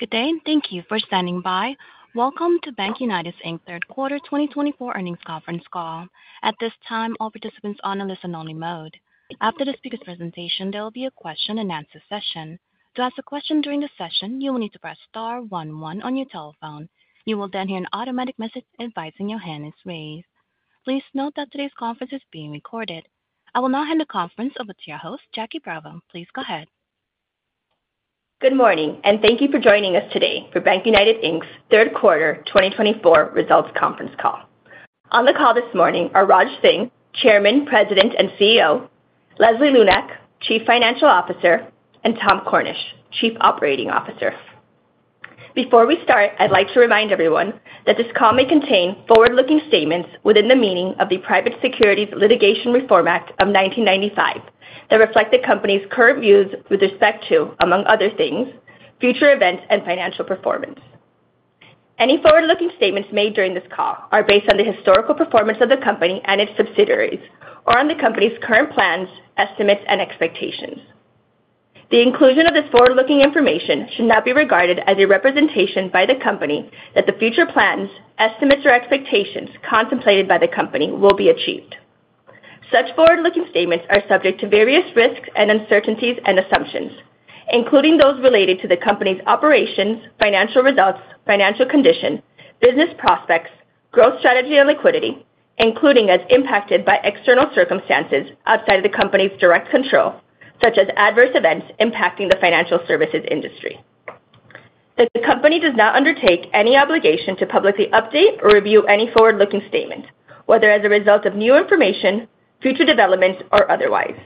Good day, and thank you for standing by. Welcome to BankUnited, Inc.'s third quarter 2024 earnings conference call. At this time, all participants are on a listen-only mode. After the speaker presentation, there will be a question-and-answer session. To ask a question during the session, you will need to press star one one on your telephone. You will then hear an automatic message advising your hand is raised. Please note that today's conference is being recorded. I will now hand the conference over to your host, Jackie Bravo. Please go ahead. Good morning, and thank you for joining us today for BankUnited, Inc.'s third quarter 2024 results conference call. On the call this morning are Raj Singh, Chairman, President, and CEO; Leslie Lunak, Chief Financial Officer; and Tom Cornish, Chief Operating Officer. Before we start, I'd like to remind everyone that this call may contain forward-looking statements within the meaning of the Private Securities Litigation Reform Act of 1995, that reflect the company's current views with respect to, among other things, future events and financial performance. Any forward-looking statements made during this call are based on the historical performance of the company and its subsidiaries or on the company's current plans, estimates, and expectations. The inclusion of this forward-looking information should not be regarded as a representation by the company that the future plans, estimates, or expectations contemplated by the company will be achieved. Such forward-looking statements are subject to various risks and uncertainties and assumptions, including those related to the company's operations, financial results, financial condition, business prospects, growth strategy, and liquidity, including as impacted by external circumstances outside of the company's direct control, such as adverse events impacting the financial services industry. The company does not undertake any obligation to publicly update or review any forward-looking statement, whether as a result of new information, future developments, or otherwise.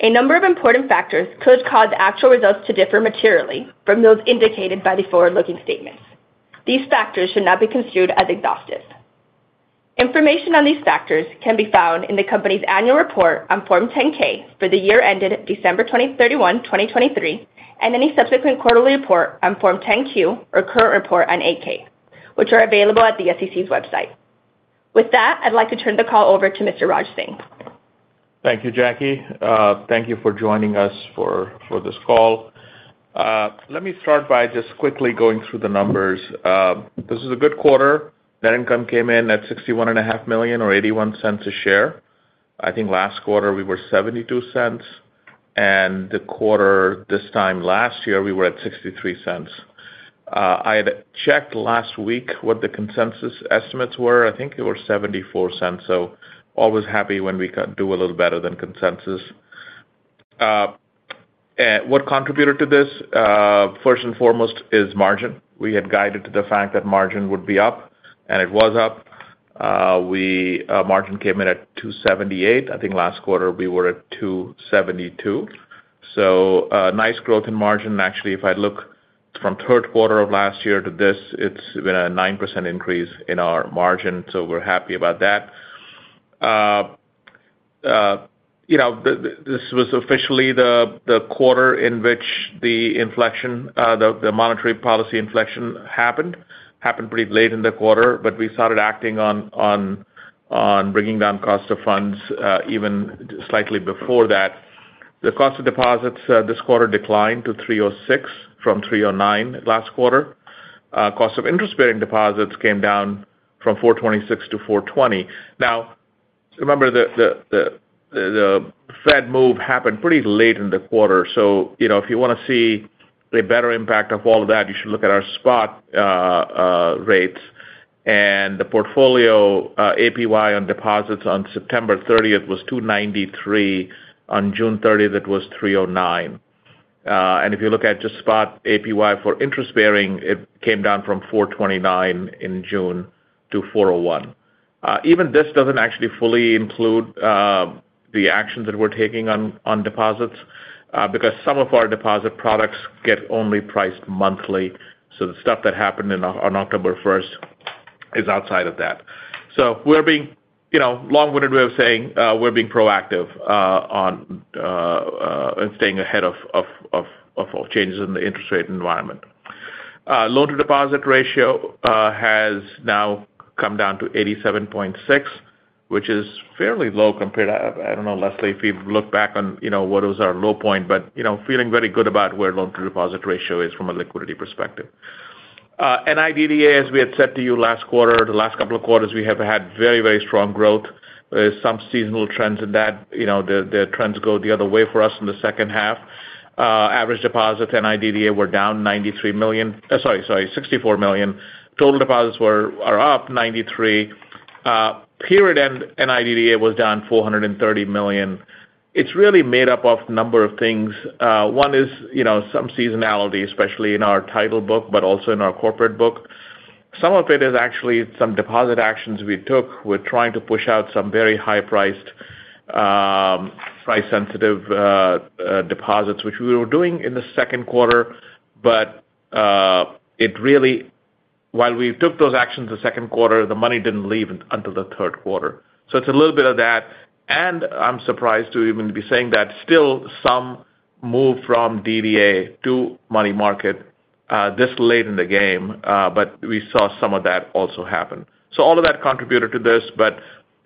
A number of important factors could cause actual results to differ materially from those indicated by the forward-looking statements. These factors should not be construed as exhaustive. Information on these factors can be found in the company's annual report on Form 10-K for the year ended December 31, 2023, and any subsequent quarterly report on Form 10-Q or current report on 8-K, which are available at the SEC's website. With that, I'd like to turn the call over to Mr. Raj Singh. Thank you, Jackie. Thank you for joining us for this call. Let me start by just quickly going through the numbers. This is a good quarter. Net income came in at $61.5 million or $0.81 a share. I think last quarter we were $0.72, and the quarter this time last year, we were at $0.63. I had checked last week what the consensus estimates were. I think they were $0.74, so always happy when we can do a little better than consensus. And what contributed to this, first and foremost is margin. We had guided to the fact that margin would be up, and it was up. We, margin came in at 2.78%. I think last quarter we were at 2.72%. So, nice growth in margin. Actually, if I look from third quarter of last year to this, it's been a 9% increase in our margin, so we're happy about that. You know, this was officially the quarter in which the inflection, the monetary policy inflection happened. Happened pretty late in the quarter, but we started acting on bringing down cost of funds, even slightly before that. The cost of deposits this quarter declined to 3.06% from 3.09% last quarter. Cost of interest-bearing deposits came down from 4.26%-4.20%. Now, remember, the Fed move happened pretty late in the quarter, so you know, if you want to see a better impact of all of that, you should look at our spot rates and the portfolio APY on deposits on September 30th was 2.93%. On June 30, it was 3.09%. And if you look at just spot APY for interest-bearing, it came down from 4.29% in June to 4.01%. Even this doesn't actually fully include the actions that we're taking on deposits because some of our deposit products get only priced monthly, so the stuff that happened on October 1st is outside of that. So we're being, you know, a long-winded way of saying, we're being proactive on staying ahead of all changes in the interest rate environment. Loan-to-deposit ratio has now come down to 87.6%, which is fairly low compared... I don't know, Leslie, if you've looked back on, you know, what was our low point, but, you know, feeling very good about where loan-to-deposit ratio is from a liquidity perspective. NIDDA, as we had said to you last quarter, the last couple of quarters, we have had very, very strong growth. There's some seasonal trends in that. You know, the trends go the other way for us in the second half. Average deposits, NIDDA were down $93 million, sorry, $64 million. Total deposits are up $93 million. Period end, NIDDA was down $430 million. It's really made up of a number of things. One is, you know, some seasonality, especially in our title book, but also in our corporate book. Some of it is actually some deposit actions we took. We're trying to push out some very high-priced, price-sensitive deposits, which we were doing in the second quarter, but it really while we took those actions the second quarter, the money didn't leave until the third quarter. So it's a little bit of that, and I'm surprised to even be saying that still some move from DDA to money market this late in the game, but we saw some of that also happen. So all of that contributed to this,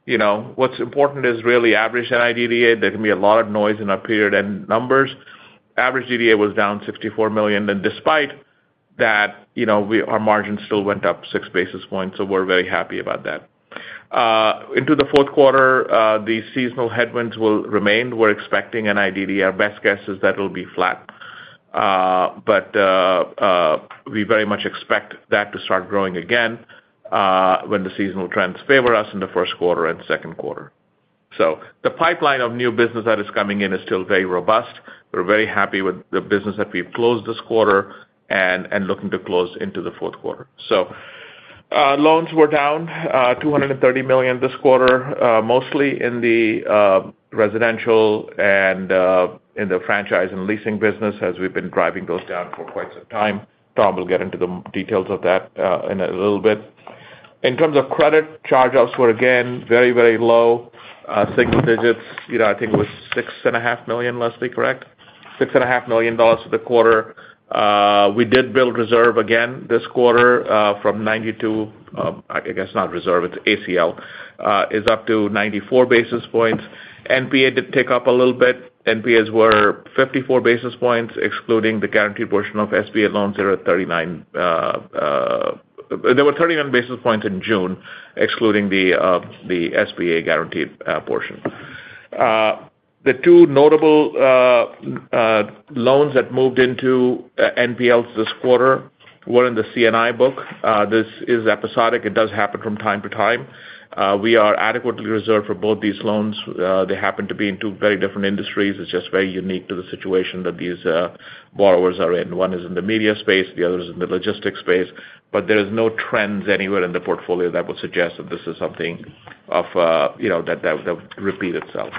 you know, what's important is really average NIDDA. There can be a lot of noise in our period end numbers. Average DDA was down $64 million, and despite that, you know, our margin still went up 6 basis points, so we're very happy about that. Into the fourth quarter, the seasonal headwinds will remain. We're expecting NIDDA. Our best guess is that it'll be flat, but we very much expect that to start growing again when the seasonal trends favor us in the first quarter and second quarter, so the pipeline of new business that is coming in is still very robust. We're very happy with the business that we've closed this quarter and looking to close into the fourth quarter. So, loans were down $230 million this quarter, mostly in the residential and in the franchise and leasing business, as we've been driving those down for quite some time. Tom will get into the details of that in a little bit. In terms of credit, charge-offs were again very, very low-single digits. You know, I think it was $6.5 million, Leslie, correct? $6.5 million dollars for the quarter. We did build reserve again this quarter, from 90 to... I guess not reserve, it's ACL, is up to 94 basis points. NPA did tick up a little bit. NPAs were 54 basis points, excluding the guaranteed portion of SBA loans. They were at 39... They were 39 basis points in June, excluding the SBA guaranteed portion. The two notable loans that moved into NPLs this quarter were in the C&I book. This is episodic. It does happen from time to time. We are adequately reserved for both these loans. They happen to be in two very different industries. It's just very unique to the situation that these borrowers are in. One is in the media space, the other is in the logistics space. But there is no trends anywhere in the portfolio that would suggest that this is something of you know that would repeat itself.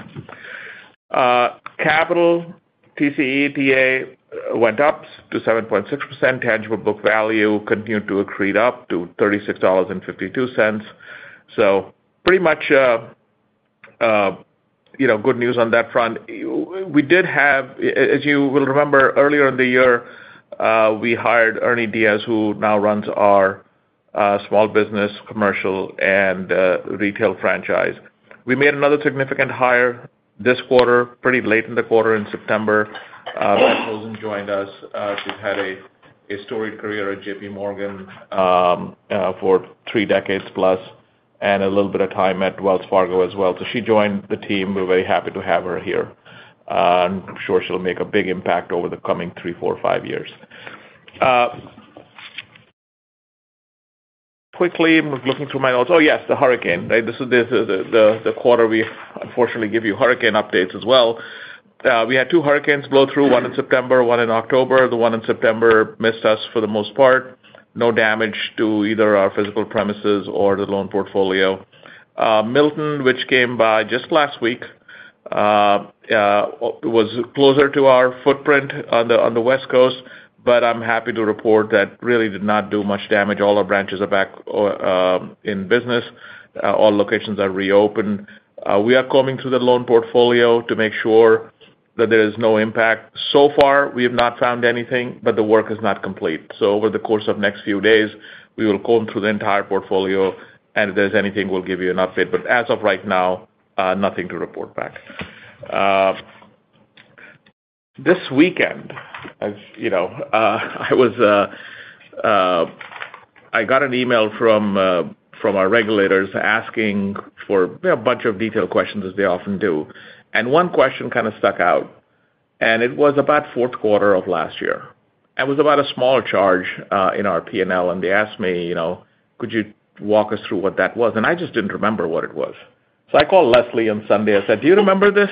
Capital. TCE/TA went up to 7.6%. Tangible book value continued to accrete up to $36.52. So pretty much, you know, good news on that front. We did have, as you will remember, earlier in the year, we hired Ernie Diaz, who now runs our small business, commercial, and retail franchise. We made another significant hire this quarter, pretty late in the quarter in September. Beth Olson joined us. She's had a storied career at JPMorgan, for three decades plus, and a little bit of time at Wells Fargo as well. So she joined the team. We're very happy to have her here, and I'm sure she'll make a big impact over the coming three, four, or five years. Quickly, I'm looking through my notes. Oh, yes, the hurricane, right? This is the quarter we unfortunately give you hurricane updates as well. We had two hurricanes blow through, one in September, one in October. The one in September missed us for the most part. No damage to either our physical premises or the loan portfolio. Milton, which came by just last week, was closer to our footprint on the West Coast, but I'm happy to report that really did not do much damage. All our branches are back in business. All locations are reopened. We are combing through the loan portfolio to make sure that there is no impact. So far, we have not found anything, but the work is not complete. So over the course of next few days, we will comb through the entire portfolio, and if there's anything, we'll give you an update. But as of right now, nothing to report back. This weekend, as you know, I was, I got an email from, from our regulators asking for a bunch of detailed questions, as they often do. And one question kind of stuck out, and it was about fourth quarter of last year, and was about a smaller charge, in our P&L, and they asked me, you know, "Could you walk us through what that was?" And I just didn't remember what it was. So I called Leslie on Sunday. I said, "Do you remember this?"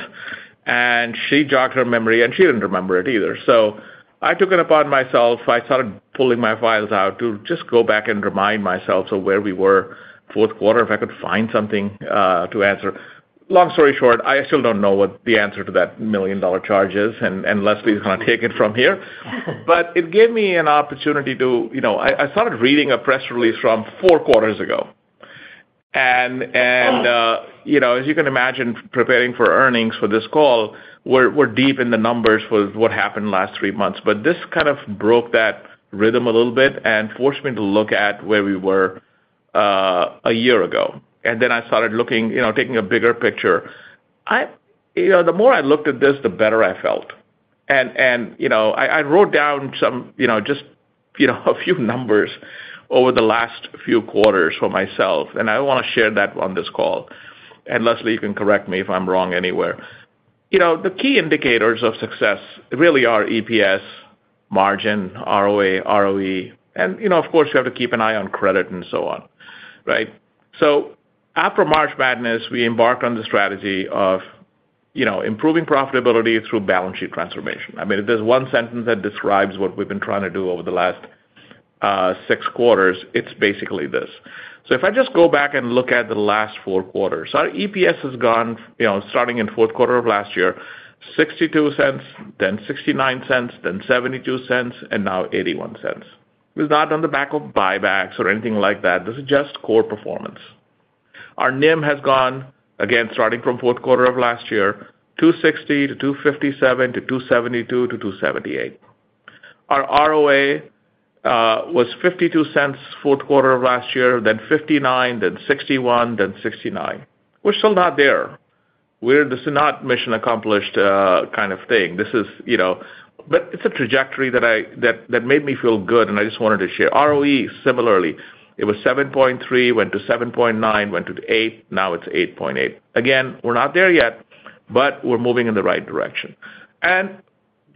And she jogged her memory, and she didn't remember it either. So I took it upon myself. I started pulling my files out to just go back and remind myself of where we were fourth quarter, if I could find something, to answer. Long story short, I still don't know what the answer to that million-dollar question is, and Leslie is going to take it from here. But it gave me an opportunity to... You know, I started reading a press release from four quarters ago. You know, as you can imagine, preparing for earnings for this call, we're deep in the numbers with what happened last three months. But this kind of broke that rhythm a little bit and forced me to look at where we were a year ago. And then I started looking, you know, taking a bigger picture. You know, the more I looked at this, the better I felt. You know, I wrote down some, you know, just a few numbers over the last few quarters for myself, and I want to share that on this call. Leslie, you can correct me if I'm wrong anywhere. You know, the key indicators of success really are EPS, margin, ROA, ROE, and, you know, of course, you have to keep an eye on credit and so on, right? After March Madness, we embarked on the strategy of, you know, improving profitability through balance sheet transformation. I mean, if there's one sentence that describes what we've been trying to do over the last six quarters, it's basically this. If I just go back and look at the last four quarters, our EPS has gone, you know, starting in fourth quarter of last year, $0.62, then $0.69, then $0.72, and now $0.81. It's not on the back of buybacks or anything like that. This is just core performance. Our NIM has gone, again, starting from fourth quarter of last year, 2.60% to 2.57%, to 2.72%, to 2.78%. Our ROA was $0.52 fourth quarter of last year, then $0.59, then $0.61, then $0.69. We're still not there. We're this is not mission accomplished kind of thing. This is, you know, but it's a trajectory that made me feel good, and I just wanted to share. ROE, similarly, it was 7.3%, went to 7.9%, went to 8%, now it's 8.8%. Again, we're not there yet, but we're moving in the right direction. And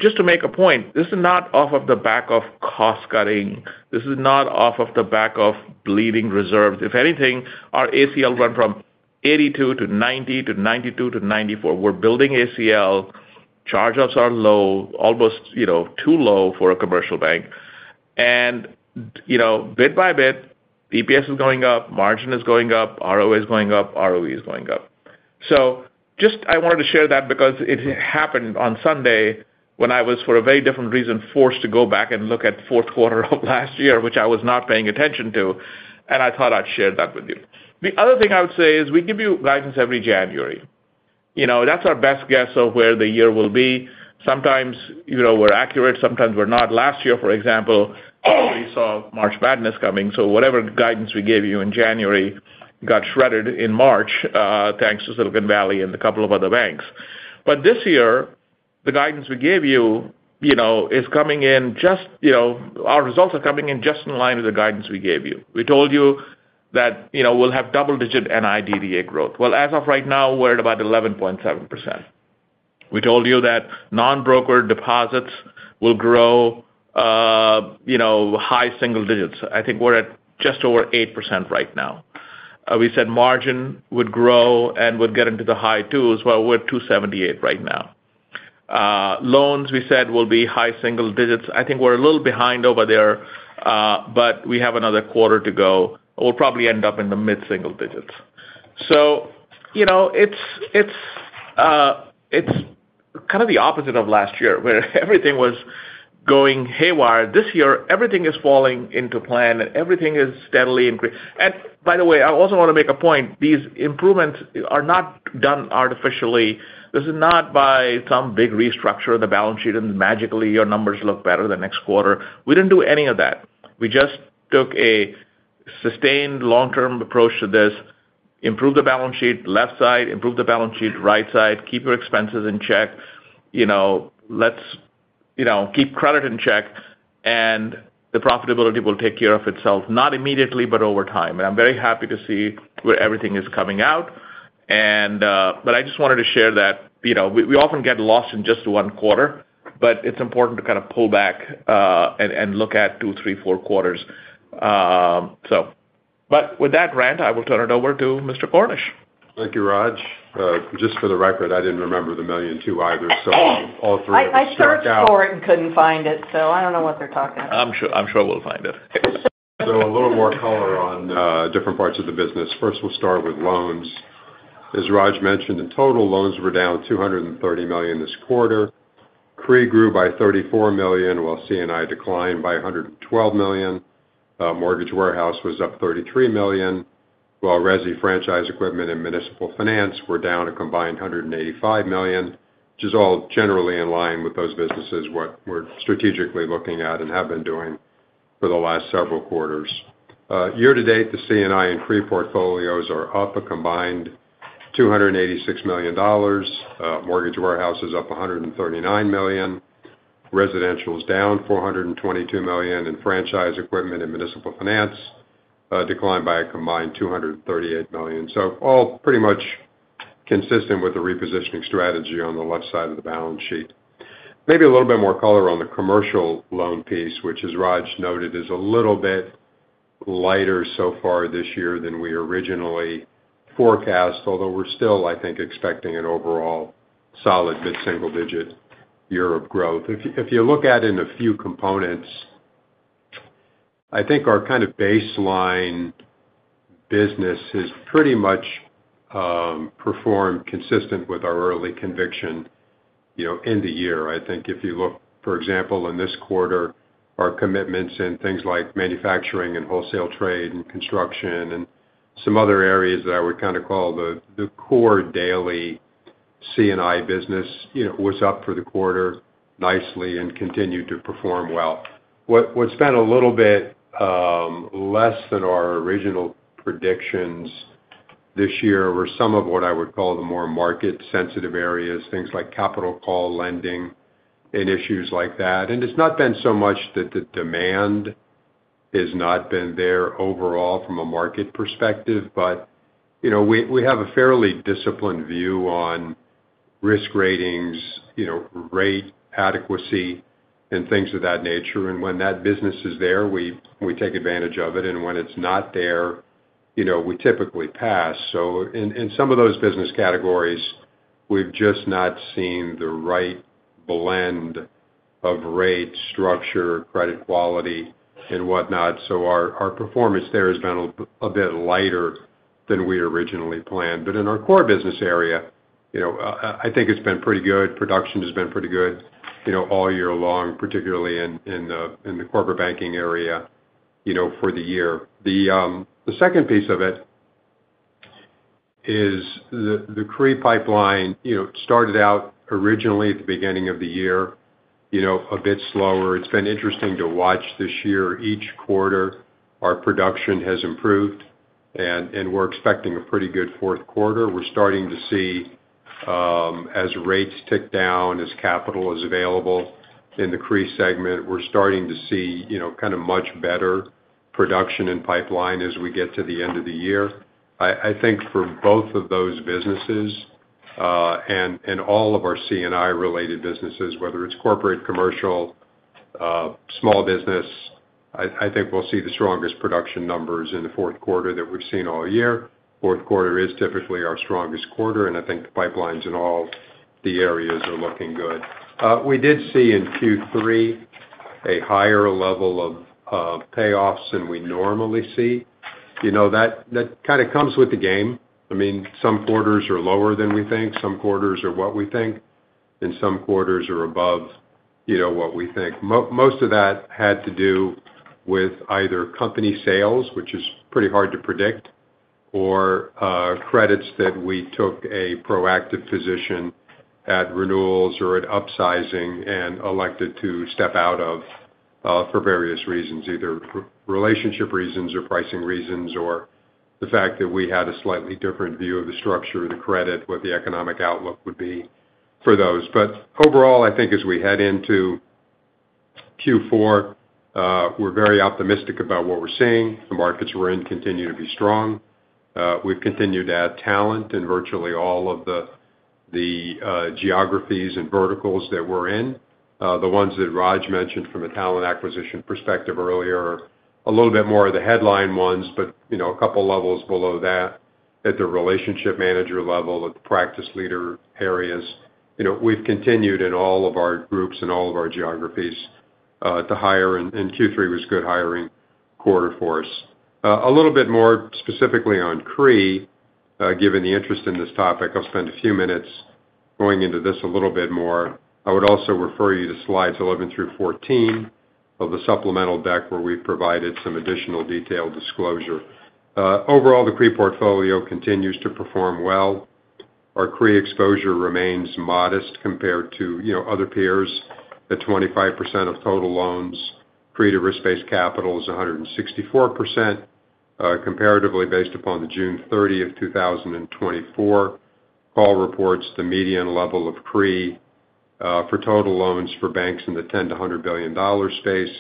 just to make a point, this is not off of the back of cost cutting. This is not off of the back of bleeding reserves. If anything, our ACL went from eighty-two to ninety to ninety-two to ninety-four. We're building ACL. Charge-offs are low, almost, you know, too low for a commercial bank. And, you know, bit by bit, EPS is going up, margin is going up, ROA is going up, ROE is going up. So just I wanted to share that because it happened on Sunday when I was, for a very different reason, forced to go back and look at fourth quarter of last year, which I was not paying attention to, and I thought I'd share that with you. The other thing I would say is, we give you guidance every January. You know, that's our best guess of where the year will be. Sometimes, you know, we're accurate, sometimes we're not. Last year, for example, we saw March Madness coming, so whatever guidance we gave you in January got shredded in March, thanks to Silicon Valley and a couple of other banks. But this year, the guidance we gave you, you know, is coming in just. You know, our results are coming in just in line with the guidance we gave you. We told you that, you know, we'll have double-digit NIDDA growth. Well, as of right now, we're at about 11.7%. We told you that non-broker deposits will grow, you know, high single digits. I think we're at just over 8% right now. We said margin would grow and would get into the high twos. Well, we're at 2.78% right now. Loans, we said, will be high-single digits. I think we're a little behind over there, but we have another quarter to go. We'll probably end up in the mid-single digits. You know, it's kind of the opposite of last year, where everything was going haywire. This year, everything is falling into plan, and everything is steadily increasing. By the way, I also want to make a point. These improvements are not done artificially. This is not by some big restructure of the balance sheet, and magically, your numbers look better the next quarter. We didn't do any of that. We just took a sustained long-term approach to this, improve the balance sheet left side, improve the balance sheet right side, keep your expenses in check, you know, let's, you know, keep credit in check, and the profitability will take care of itself. Not immediately, but over time. And, but I just wanted to share that. You know, we, we often get lost in just one quarter, but it's important to kind of pull back, and, and look at two, three, four quarters. But with that grant, I will turn it over to Mr. Cornish. Thank you, Raj. Just for the record, I didn't remember the $1.2 million either, so all three of us struck out. I searched for it and couldn't find it, so I don't know what they're talking about. I'm sure, I'm sure we'll find it. So a little more color on different parts of the business. First, we'll start with loans. As Raj mentioned, in total, loans were down $230 million this quarter. CRE grew by $34 million, while C&I declined by $112 million. Mortgage warehouse was up $33 million, while resi, franchise equipment, and municipal finance were down a combined $185 million, which is all generally in line with those businesses, what we're strategically looking at and have been doing for the last several quarters. Year-to-date, the C&I and CRE portfolios are up a combined $286 million. Mortgage warehouse is up $139 million. Residential is down $422 million, and franchise equipment and municipal finance declined by a combined $238 million. All pretty much consistent with the repositioning strategy on the left side of the balance sheet. Maybe a little bit more color on the commercial loan piece, which, as Raj noted, is a little bit lighter so far this year than we originally forecast, although we're still, I think, expecting an overall solid mid-single-digit year of growth. If you, if you look at it in a few components, I think our kind of baseline business has pretty much performed consistent with our early conviction, you know, in the year. I think if you look, for example, in this quarter, our commitments in things like manufacturing and wholesale trade and construction and some other areas that I would kind of call the core daily C&I business, you know, was up for the quarter nicely and continued to perform well. What's been a little bit less than our original predictions this year were some of what I would call the more market-sensitive areas, things like capital call lending and issues like that. It's not been so much that the demand has not been there overall from a market perspective, but, you know, we have a fairly disciplined view on risk ratings, you know, rate adequacy and things of that nature. When that business is there, we take advantage of it, and when it's not there, you know, we typically pass. In some of those business categories, we've just not seen the right blend of rate, structure, credit quality and whatnot, so our performance there has been a bit lighter than we originally planned. In our core business area, you know, I think it's been pretty good. Production has been pretty good, you know, all year long, particularly in the corporate banking area, you know, for the year. The second piece of it is the CRE pipeline, you know, started out originally at the beginning of the year, you know, a bit slower. It's been interesting to watch this year. Each quarter, our production has improved, and we're expecting a pretty good fourth quarter. We're starting to see as rates tick down, as capital is available in the CRE segment, we're starting to see, you know, kind of much better production in pipeline as we get to the end of the year. I think for both of those businesses, and all of our C&I-related businesses, whether it's corporate, commercial, small business, I think we'll see the strongest production numbers in the fourth quarter that we've seen all year. Fourth quarter is typically our strongest quarter, and I think the pipelines in all the areas are looking good. We did see in Q3 a higher level of payoffs than we normally see. You know, that kind of comes with the game. I mean, some quarters are lower than we think, some quarters are what we think, and some quarters are above, you know, what we think. Most of that had to do with either company sales, which is pretty hard to predict, or credits that we took a proactive position at renewals or at upsizing and elected to step out of for various reasons, either for relationship reasons or pricing reasons, or the fact that we had a slightly different view of the structure of the credit, what the economic outlook would be for those. But overall, I think as we head into Q4, we're very optimistic about what we're seeing. The markets we're in continue to be strong. We've continued to add talent in virtually all of the geographies and verticals that we're in. The ones that Raj mentioned from a talent acquisition perspective earlier are a little bit more of the headline ones, but, you know, a couple levels below that, at the relationship manager level, at the practice leader areas, you know, we've continued in all of our groups and all of our geographies, to hire, and, and Q3 was a good hiring quarter for us. A little bit more specifically on CRE, given the interest in this topic, I'll spend a few minutes going into this a little bit more. I would also refer you to slides 11 through 14 of the supplemental deck, where we've provided some additional detailed disclosure. Overall, the CRE portfolio continues to perform well. Our CRE exposure remains modest compared to, you know, other peers, at 25% of total loans. CRE to risk-based capital is 164%. Comparatively, based upon the June 30th, 2024 call reports, the median level of CRE for total loans for banks in the $10 billion-$100 billion space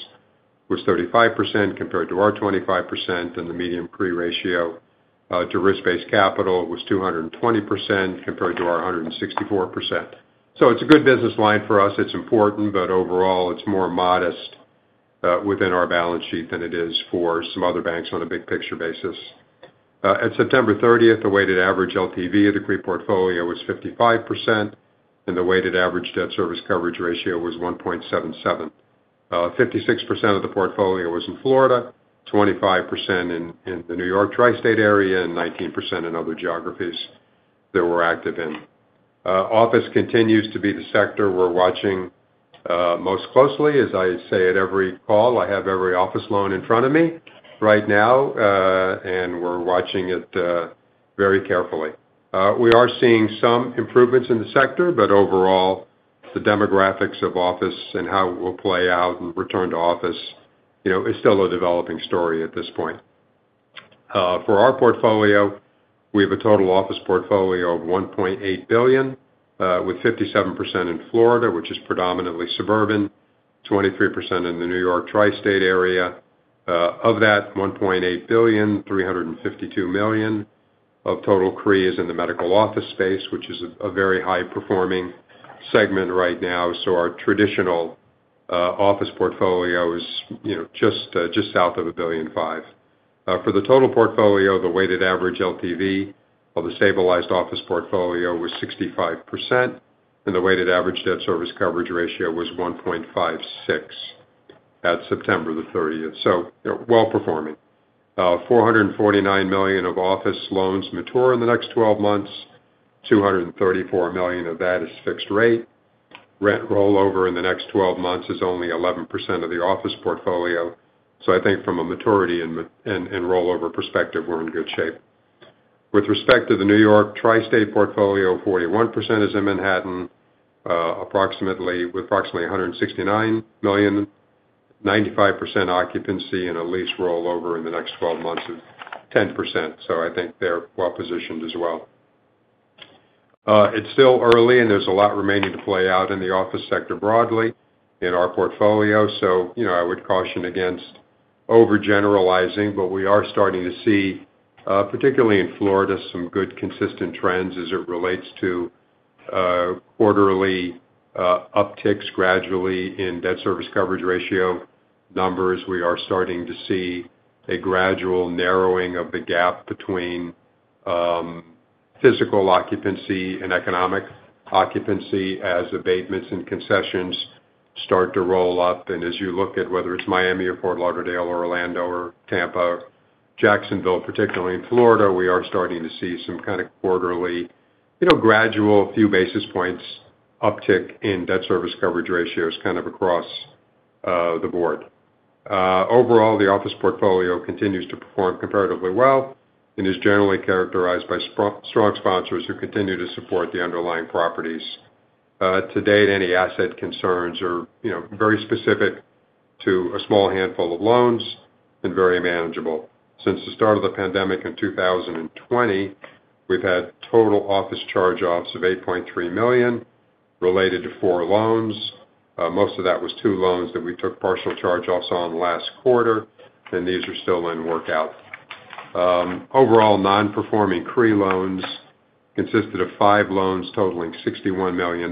was 35% compared to our 25%, and the median CRE ratio to risk-based capital was 220% compared to our 164%. So it's a good business line for us. It's important, but overall, it's more modest within our balance sheet than it is for some other banks on a big-picture basis. At September 30th, the weighted average LTV of the CRE portfolio was 55%, and the weighted average debt service coverage ratio was 1.77. 56% of the portfolio was in Florida, 25% in the New York Tri-State area, and 19% in other geographies that we're active in. Office continues to be the sector we're watching most closely. As I say at every call, I have every office loan in front of me right now, and we're watching it very carefully. We are seeing some improvements in the sector, but overall, the demographics of office and how it will play out and return to office, you know, is still a developing story at this point. For our portfolio, we have a total office portfolio of $1.8 billion with 57% in Florida, which is predominantly suburban, 23% in the New York Tri-State area. Of that $1.8 billion, $352 million of total CRE is in the medical office space, which is a very high-performing segment right now. So our traditional office portfolio is, you know, just south of $1.5 billion. For the total portfolio, the weighted average LTV of the stabilized office portfolio was 65%, and the weighted average debt service coverage ratio was 1.56 at September the 30th, so well-performing. $449 million of office loans mature in the next 12 months, $234 million of that is fixed rate. Rent rollover in the next 12 months is only 11% of the office portfolio. So I think from a maturity and rollover perspective, we're in good shape. With respect to the New York Tri-State portfolio, 41% is in Manhattan, approximately, with approximately $169 million, 95% occupancy, and a lease rollover in the next 12 months of 10%. So I think they're well-positioned as well. It's still early, and there's a lot remaining to play out in the office sector broadly in our portfolio, so you know, I would caution against overgeneralizing. But we are starting to see, particularly in Florida, some good consistent trends as it relates to quarterly upticks gradually in debt service coverage ratio numbers. We are starting to see a gradual narrowing of the gap between physical occupancy and economic occupancy as abatements and concessions start to roll up. And as you look at whether it's Miami or Fort Lauderdale or Orlando or Tampa, Jacksonville, particularly in Florida, we are starting to see some kind of quarterly, you know, gradual, few basis points uptick in debt service coverage ratios kind of across the board. Overall, the office portfolio continues to perform comparatively well and is generally characterized by strong sponsors who continue to support the underlying properties. To date, any asset concerns are, you know, very specific to a small handful of loans and very manageable. Since the start of the pandemic in 2020, we've had total office charge-offs of $8.3 million related to four loans. Most of that was two loans that we took partial charge-offs on last quarter, and these are still in workout. Overall, nonperforming CRE loans consisted of five loans totaling $61 million,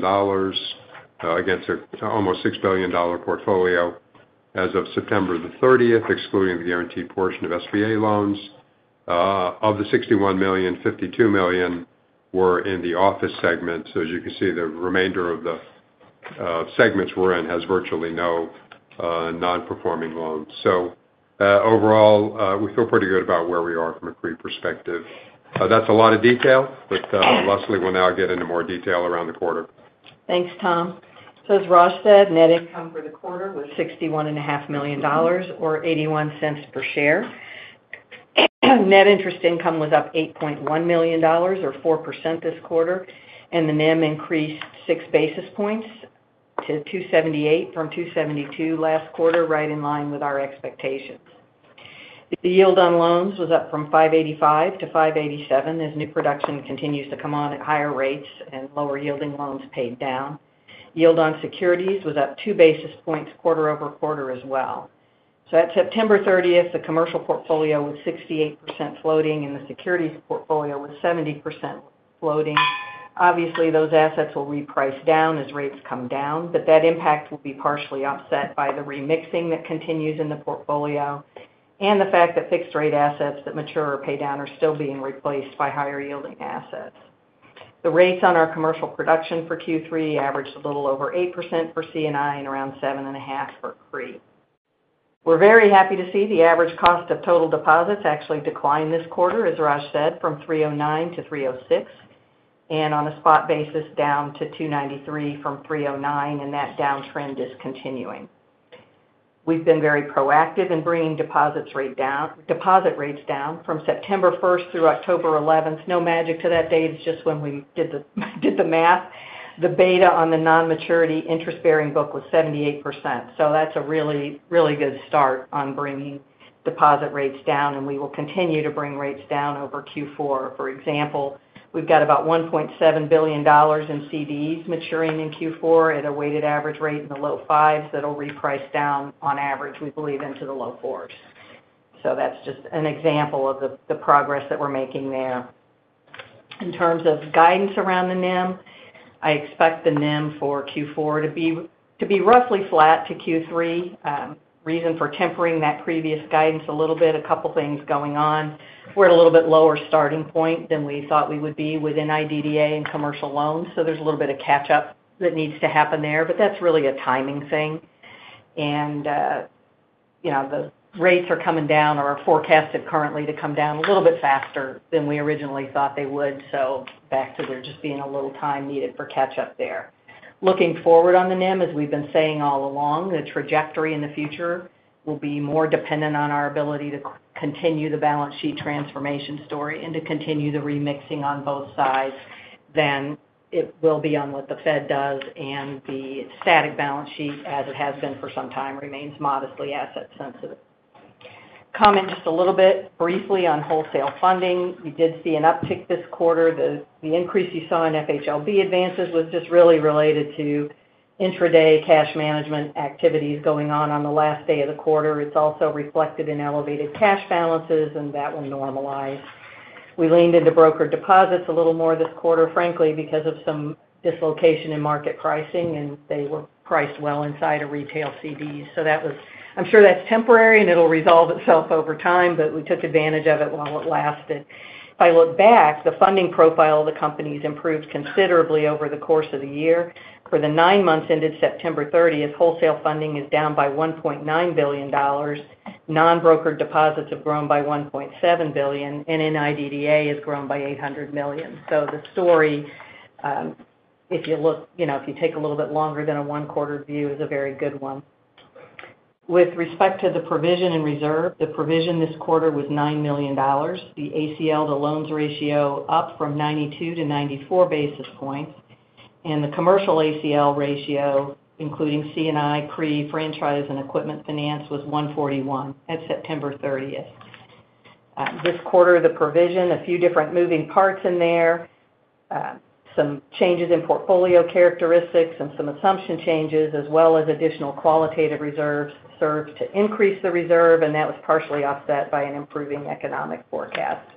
against an almost $6 billion portfolio as of September 30th, excluding the guaranteed portion of SBA loans. Of the $61 million, $52 million were in the office segment. So as you can see, the remainder of the segments we're in has virtually no nonperforming loans. So, overall, we feel pretty good about where we are from a CRE perspective. That's a lot of detail, but Leslie will now get into more detail around the quarter. Thanks, Tom. So as Raj said, net income for the quarter was $61.5 million or $0.81 per share. Net interest income was up $8.1 million or 4% this quarter, and the NIM increased 6 basis points to 278 from 272 last quarter, right in line with our expectations. The yield on loans was up from 5.85% to 5.87%, as new production continues to come on at higher rates and lower yielding loans paid down. Yield on securities was up 2 basis points quarter-over-quarter as well. So at September 30th, the commercial portfolio was 68% floating, and the securities portfolio was 70% floating. Obviously, those assets will reprice down as rates come down, but that impact will be partially offset by the remixing that continues in the portfolio and the fact that fixed rate assets that mature or pay down are still being replaced by higher yielding assets. The rates on our commercial production for Q3 averaged a little over 8% for C&I and around 7.5% for CRE. We're very happy to see the average cost of total deposits actually decline this quarter, as Raj said, from 309 to 306, and on a spot basis, down to 293 from 309, and that downtrend is continuing. We've been very proactive in bringing deposits rate down, deposit rates down from September 1st through October 11th. No magic to that date. It's just when we did the math. The beta on the non-maturity interest-bearing book was 78%. So that's a really, really good start on bringing deposit rates down, and we will continue to bring rates down over Q4. For example, we've got about $1.7 billion in CDs maturing in Q4 at a weighted average rate in the low fives. That'll reprice down on average, we believe, into the low fours. So that's just an example of the progress that we're making there. In terms of guidance around the NIM, I expect the NIM for Q4 to be roughly flat to Q3. Reason for tempering that previous guidance a little bit, a couple things going on. We're at a little bit lower starting point than we thought we would be within NIDDA and commercial loans, so there's a little bit of catch-up that needs to happen there, but that's really a timing thing. And, you know, the rates are coming down or are forecasted currently to come down a little bit faster than we originally thought they would. So back to there just being a little time needed for catch-up there. Looking forward on the NIM, as we've been saying all along, the trajectory in the future will be more dependent on our ability to continue the balance sheet transformation story and to continue the remixing on both sides than it will be on what the Fed does, and the static balance sheet, as it has been for some time, remains modestly asset sensitive. Comment just a little bit briefly on wholesale funding. We did see an uptick this quarter. The increase you saw in FHLB advances was just really related to intraday cash management activities going on on the last day of the quarter. It's also reflected in elevated cash balances, and that will normalize. We leaned into broker deposits a little more this quarter, frankly, because of some dislocation in market pricing, and they were priced well inside of retail CDs. So that was. I'm sure that's temporary, and it'll resolve itself over time, but we took advantage of it while it lasted. If I look back, the funding profile of the company's improved considerably over the course of the year. For the nine months ended September 30th, wholesale funding is down by $1.9 billion, non-broker deposits have grown by $1.7 billion, and NIDDA has grown by $800 million. So the story, if you look, you know, if you take a little bit longer than a one-quarter view, is a very good one. With respect to the provision and reserve, the provision this quarter was $9 million. The ACL to loans ratio up from 92-94 basis points, and the commercial ACL ratio, including C&I, CRE, franchise, and equipment finance, was 141 at September 30th. This quarter, the provision, a few different moving parts in there. Some changes in portfolio characteristics and some assumption changes, as well as additional qualitative reserves, served to increase the reserve, and that was partially offset by an improving economic forecast.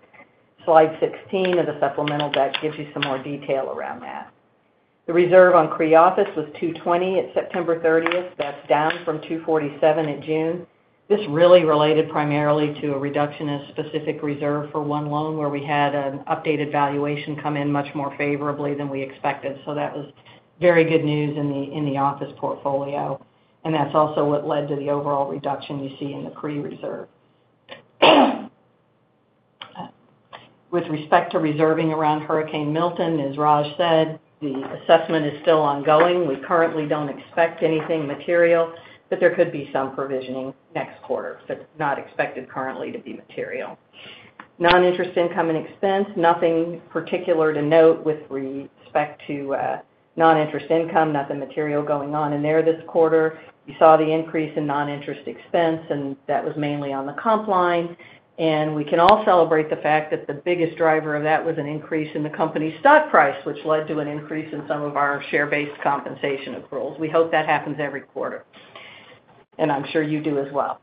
Slide 16 of the supplemental deck gives you some more detail around that. The reserve on CRE office was 220 at September 30th. That's down from 247 at June. This really related primarily to a reduction in specific reserve for one loan, where we had an updated valuation come in much more favorably than we expected. So that was very good news in the office portfolio, and that's also what led to the overall reduction you see in the CRE reserve. With respect to reserving around Hurricane Milton, as Raj said, the assessment is still ongoing. We currently don't expect anything material, but there could be some provisioning next quarter. That's not expected currently to be material. Non-interest income and expense, nothing particular to note with respect to non-interest income, nothing material going on in there this quarter. You saw the increase in non-interest expense, and that was mainly on the comp line. We can all celebrate the fact that the biggest driver of that was an increase in the company's stock price, which led to an increase in some of our share-based compensation accruals. We hope that happens every quarter, and I'm sure you do as well.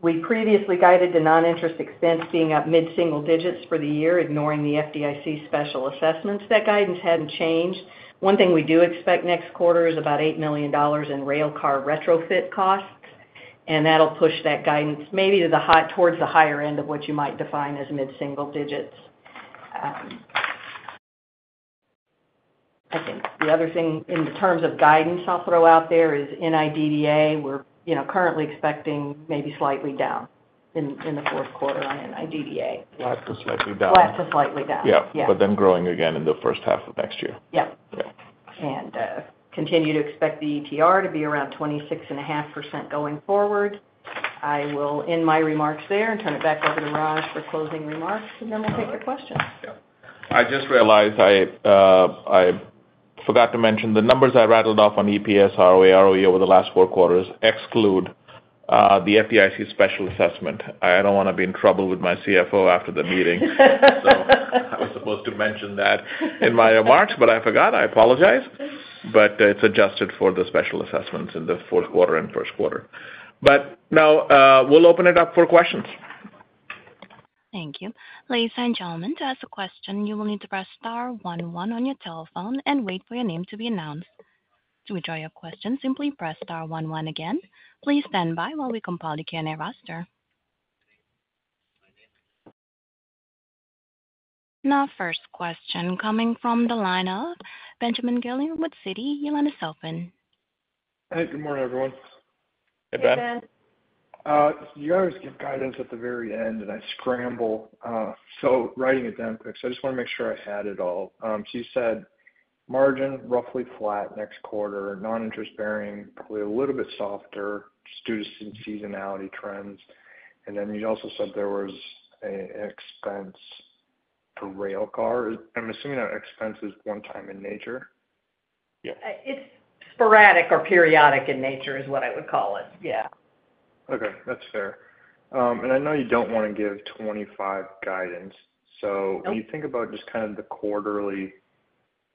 We previously guided the non-interest expense being up mid-single digits for the year, ignoring the FDIC special assessments. That guidance hadn't changed. One thing we do expect next quarter is about $8 million in railcar retrofit costs, and that'll push that guidance maybe towards the higher end of what you might define as mid-single digits. I think the other thing in terms of guidance I'll throw out there is NIDDA. We're, you know, currently expecting maybe slightly down in the fourth quarter on NIDDA. Flat to slightly down. Flat to slightly down. Yeah. Yeah. But then growing again in the first half of next year. Yep. Yeah. Continue to expect the ETR to be around 26.5% going forward. I will end my remarks there and turn it back over to Raj for closing remarks, and then we'll take your questions. Yeah. I just realized I forgot to mention the numbers I rattled off on EPS, ROA, ROE over the last four quarters exclude the FDIC special assessment. I don't want to be in trouble with my CFO after the meeting. So I was supposed to mention that in my remarks, but I forgot. I apologize. But it's adjusted for the special assessments in the fourth quarter and first quarter. But now, we'll open it up for questions. Thank you. Ladies and gentlemen, to ask a question, you will need to press star one one on your telephone and wait for your name to be announced. To withdraw your question, simply press star one one again. Please stand by while we compile the Q&A roster. Our first question coming from the line of Benjamin Gerlinger with Citi. Your line is open. Hey, good morning, everyone. Hey, Ben. Hey, Ben. You guys give guidance at the very end, and I scramble, so writing it down quick. So I just want to make sure I had it all. So you said margin roughly flat next quarter, non-interest bearing probably a little bit softer due to some seasonality trends. And then you also said there was an expense for railcar. I'm assuming that expense is one time in nature? Yeah. It's sporadic or periodic in nature, is what I would call it. Yeah. Okay, that's fair, and I know you don't want to give 2025 guidance. Nope So when you think about just kind of the quarterly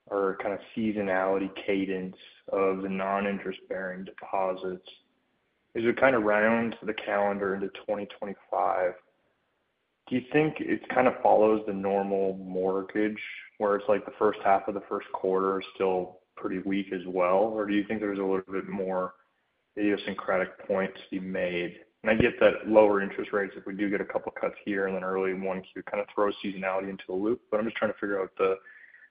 or kind of seasonality cadence of the non-interest-bearing deposits, as you kind of round to the calendar into 2025, do you think it kind of follows the normal mortgage, where it's like the first half of the first quarter is still pretty weak as well? Or do you think there's a little bit more idiosyncratic points to be made? And I get that lower interest rates, if we do get a couple of cuts here and then early in Q1, kind of throws seasonality into a loop. But I'm just trying to figure out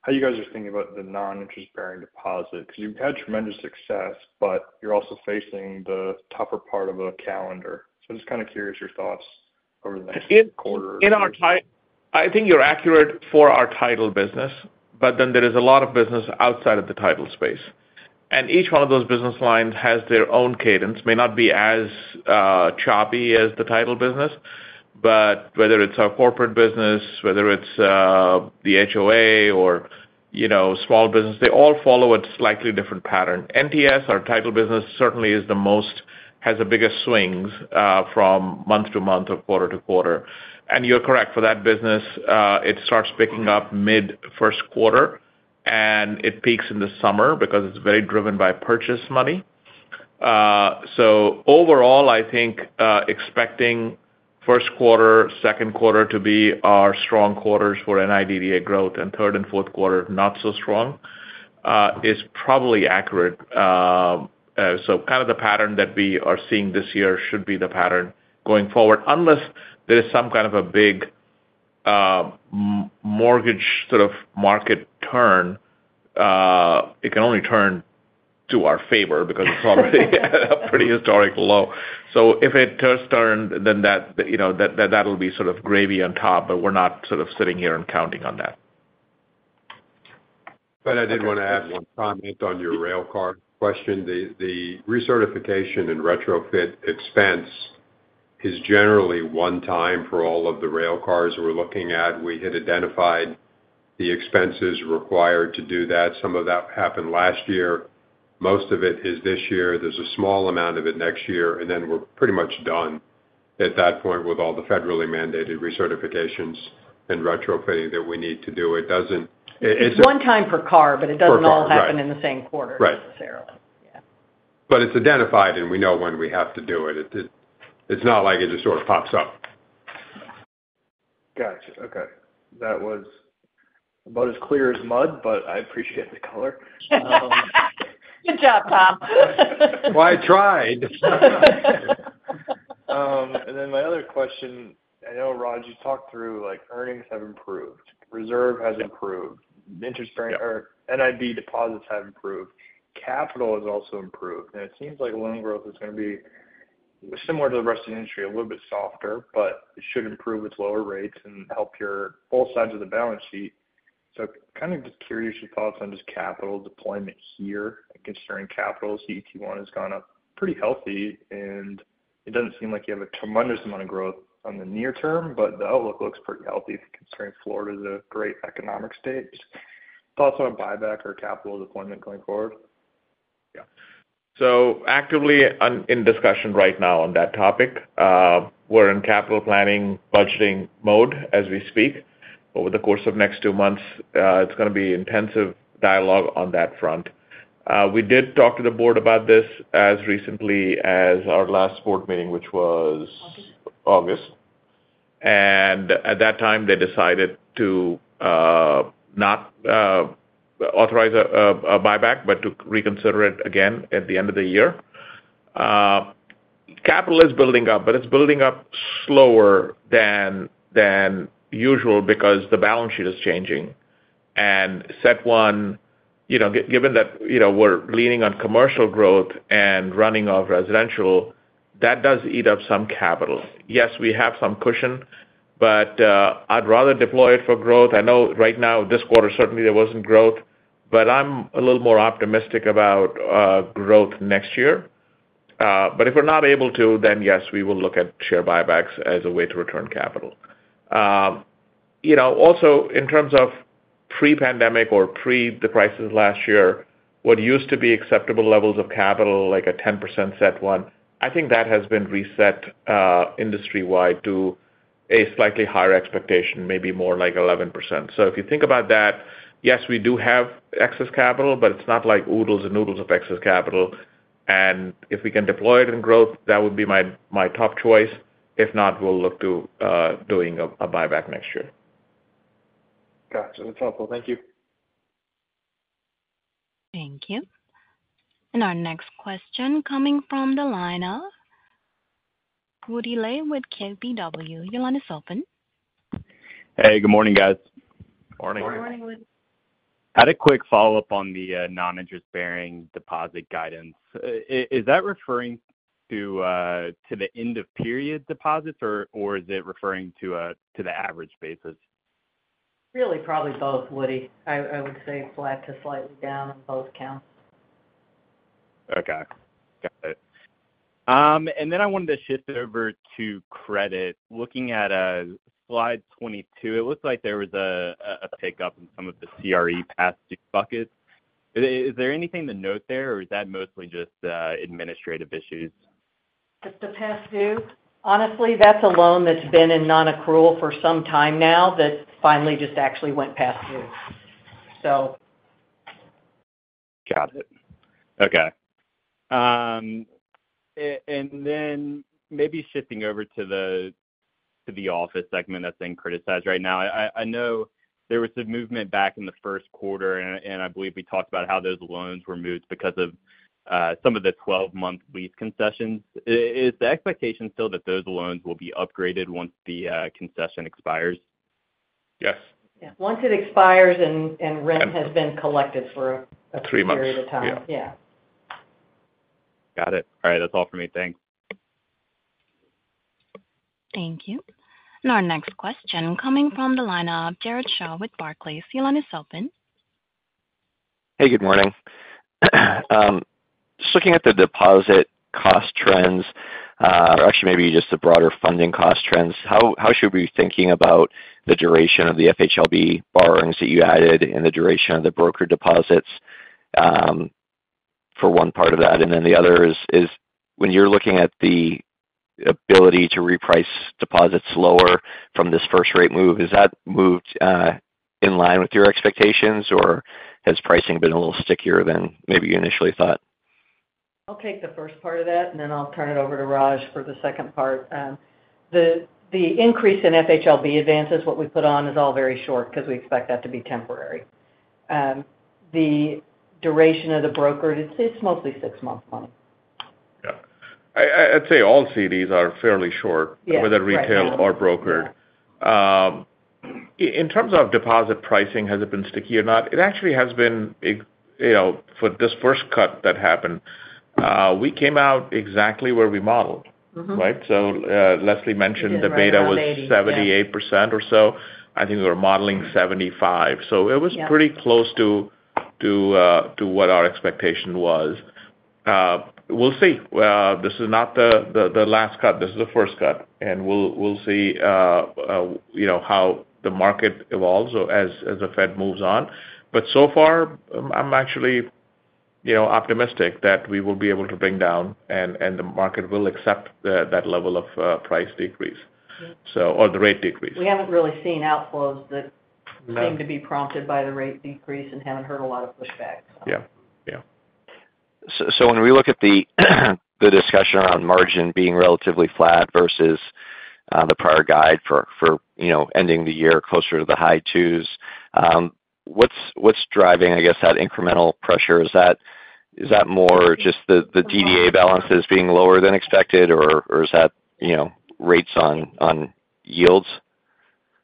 how you guys are thinking about the non-interest-bearing deposits. Because you've had tremendous success, but you're also facing the tougher part of a calendar. So I'm just kind of curious your thoughts over the next quarter. I think you're accurate for our title business, but then there is a lot of business outside of the title space, and each one of those business lines has their own cadence. May not be as choppy as the title business, but whether it's our corporate business, whether it's the HOA or, you know, small business, they all follow a slightly different pattern. NTS, our title business, certainly is the most has the biggest swings from month to month or quarter to quarter. And you're correct, for that business, it starts picking up mid-first quarter, and it peaks in the summer because it's very driven by purchase money. So overall, I think expecting first quarter, second quarter to be our strong quarters for NIDDA growth, and third and fourth quarter, not so strong, is probably accurate. So kind of the pattern that we are seeing this year should be the pattern going forward, unless there is some kind of a big mortgage sort of market turn. It can only turn to our favor because it's already a pretty historic low. So if it does turn, then that, you know, that, that will be sort of gravy on top, but we're not sort of sitting here and counting on that. But I did want to add one comment on your railcar question. The recertification and retrofit expense is generally one time for all of the railcars we're looking at. We had identified the expenses required to do that. Some of that happened last year. Most of it is this year. There's a small amount of it next year, and then we're pretty much done at that point with all the federally mandated recertifications and retrofitting that we need to do. It doesn't- It's one time per car, but it doesn't- Per car, right. All happen in the same quarter. Right Necessarily. Yeah. But it's identified, and we know when we have to do it. It, it's not like it just sort of pops up. Gotcha. Okay. That was about as clear as mud, but I appreciate the color. Good job, Tom. Well, I tried. And then my other question, I know, Raj, you talked through, like, earnings have improved, reserve has improved, interest bearing or NIB deposits have improved, capital has also improved, and it seems like loan growth is going to be similar to the rest of the industry, a little bit softer, but it should improve its lower rates and help your both sides of the balance sheet. So kind of just curious your thoughts on just capital deployment here, concerning capital. CET1 has gone up pretty healthy, and it doesn't seem like you have a tremendous amount of growth on the near term, but the outlook looks pretty healthy concerning Florida is a great economic state. Just thoughts on buyback or capital deployment going forward? Yeah. So actively on, in discussion right now on that topic. We're in capital planning, budgeting mode as we speak. Over the course of next two months, it's going to be intensive dialogue on that front. We did talk to the board about this as recently as our last board meeting, which was- August. August. And at that time, they decided to not authorize a buyback, but to reconsider it again at the end of the year. Capital is building up, but it's building up slower than usual because the balance sheet is changing. And given that, you know, we're leaning on commercial growth and running off residential, that does eat up some capital. Yes, we have some cushion, but I'd rather deploy it for growth. I know right now, this quarter, certainly there wasn't growth, but I'm a little more optimistic about growth next year. But if we're not able to, then yes, we will look at share buybacks as a way to return capital. You know, also, in terms of pre-pandemic or pre the crisis last year, what used to be acceptable levels of capital, like a 10% CET1, I think that has been reset, industry-wide to a slightly higher expectation, maybe more like 11%. So if you think about that, yes, we do have excess capital, but it's not like oodles and boodles of excess capital. And if we can deploy it in growth, that would be my top choice. If not, we'll look to doing a buyback next year. Got you. That's helpful. Thank you. Thank you. And our next question coming from the line of Woody Lay with KBW. Your line is open. Hey, good morning, guys. Morning. Good morning, Woody. Had a quick follow-up on the non-interest-bearing deposit guidance. Is that referring to the end of period deposits, or is it referring to the average basis? Really, probably both, Woody. I would say flat to slightly down on both counts. Okay, got it. And then I wanted to shift over to credit. Looking at slide 22, it looks like there was a pickup in some of the CRE past due buckets. Is there anything to note there, or is that mostly just administrative issues? Just the past due? Honestly, that's a loan that's been in non-accrual for some time now that finally just actually went past due. So. Got it. Okay. And then maybe shifting over to the office segment that's being criticized right now. I know there was some movement back in the first quarter, and I believe we talked about how those loans were moved because of some of the 12-month lease concessions. Is the expectation still that those loans will be upgraded once the concession expires? Yes. Yeah. Once it expires and rent has been collected for a- Three months Period of time. Yeah. Yeah. Got it. All right, that's all for me. Thanks. Thank you, and our next question coming from the line of Jared Shaw with Barclays. Your line is open. Hey, good morning. Just looking at the deposit cost trends, or actually maybe just the broader funding cost trends, how should we be thinking about the duration of the FHLB borrowings that you added and the duration of the broker deposits, for one part of that? And then the other is, when you're looking at the ability to reprice deposits lower from this first rate move, has that moved in line with your expectations, or has pricing been a little stickier than maybe you initially thought? I'll take the first part of that, and then I'll turn it over to Raj for the second part. The increase in FHLB advances, what we put on, is all very short because we expect that to be temporary. The duration of the borrowings, it's mostly six-month money. Yeah. I'd say all CDs are fairly short- Yes Whether retail or brokered. Yeah. In terms of deposit pricing, has it been sticky or not? It actually has been, you know, for this first cut that happened, we came out exactly where we modeled. Right? So, Leslie mentioned the beta was- Around 80%, yeah. 78% or so. I think we were modeling 75%. Yeah. So it was pretty close to what our expectation was. We'll see. This is not the last cut, this is the first cut, and we'll see, you know, how the market evolves as the Fed moves on. But so far, I'm actually, you know, optimistic that we will be able to bring down, and the market will accept that level of price decrease. Yeah Sso, or the rate decrease. We haven't really seen outflows that- No seem to be prompted by the rate decrease and haven't heard a lot of pushback, so. Yeah. Yeah. So when we look at the discussion around margin being relatively flat versus the prior guide for you know ending the year closer to the high twos, what's driving I guess that incremental pressure? Is that more just the DDA balances being lower than expected, or is that you know rates on yields?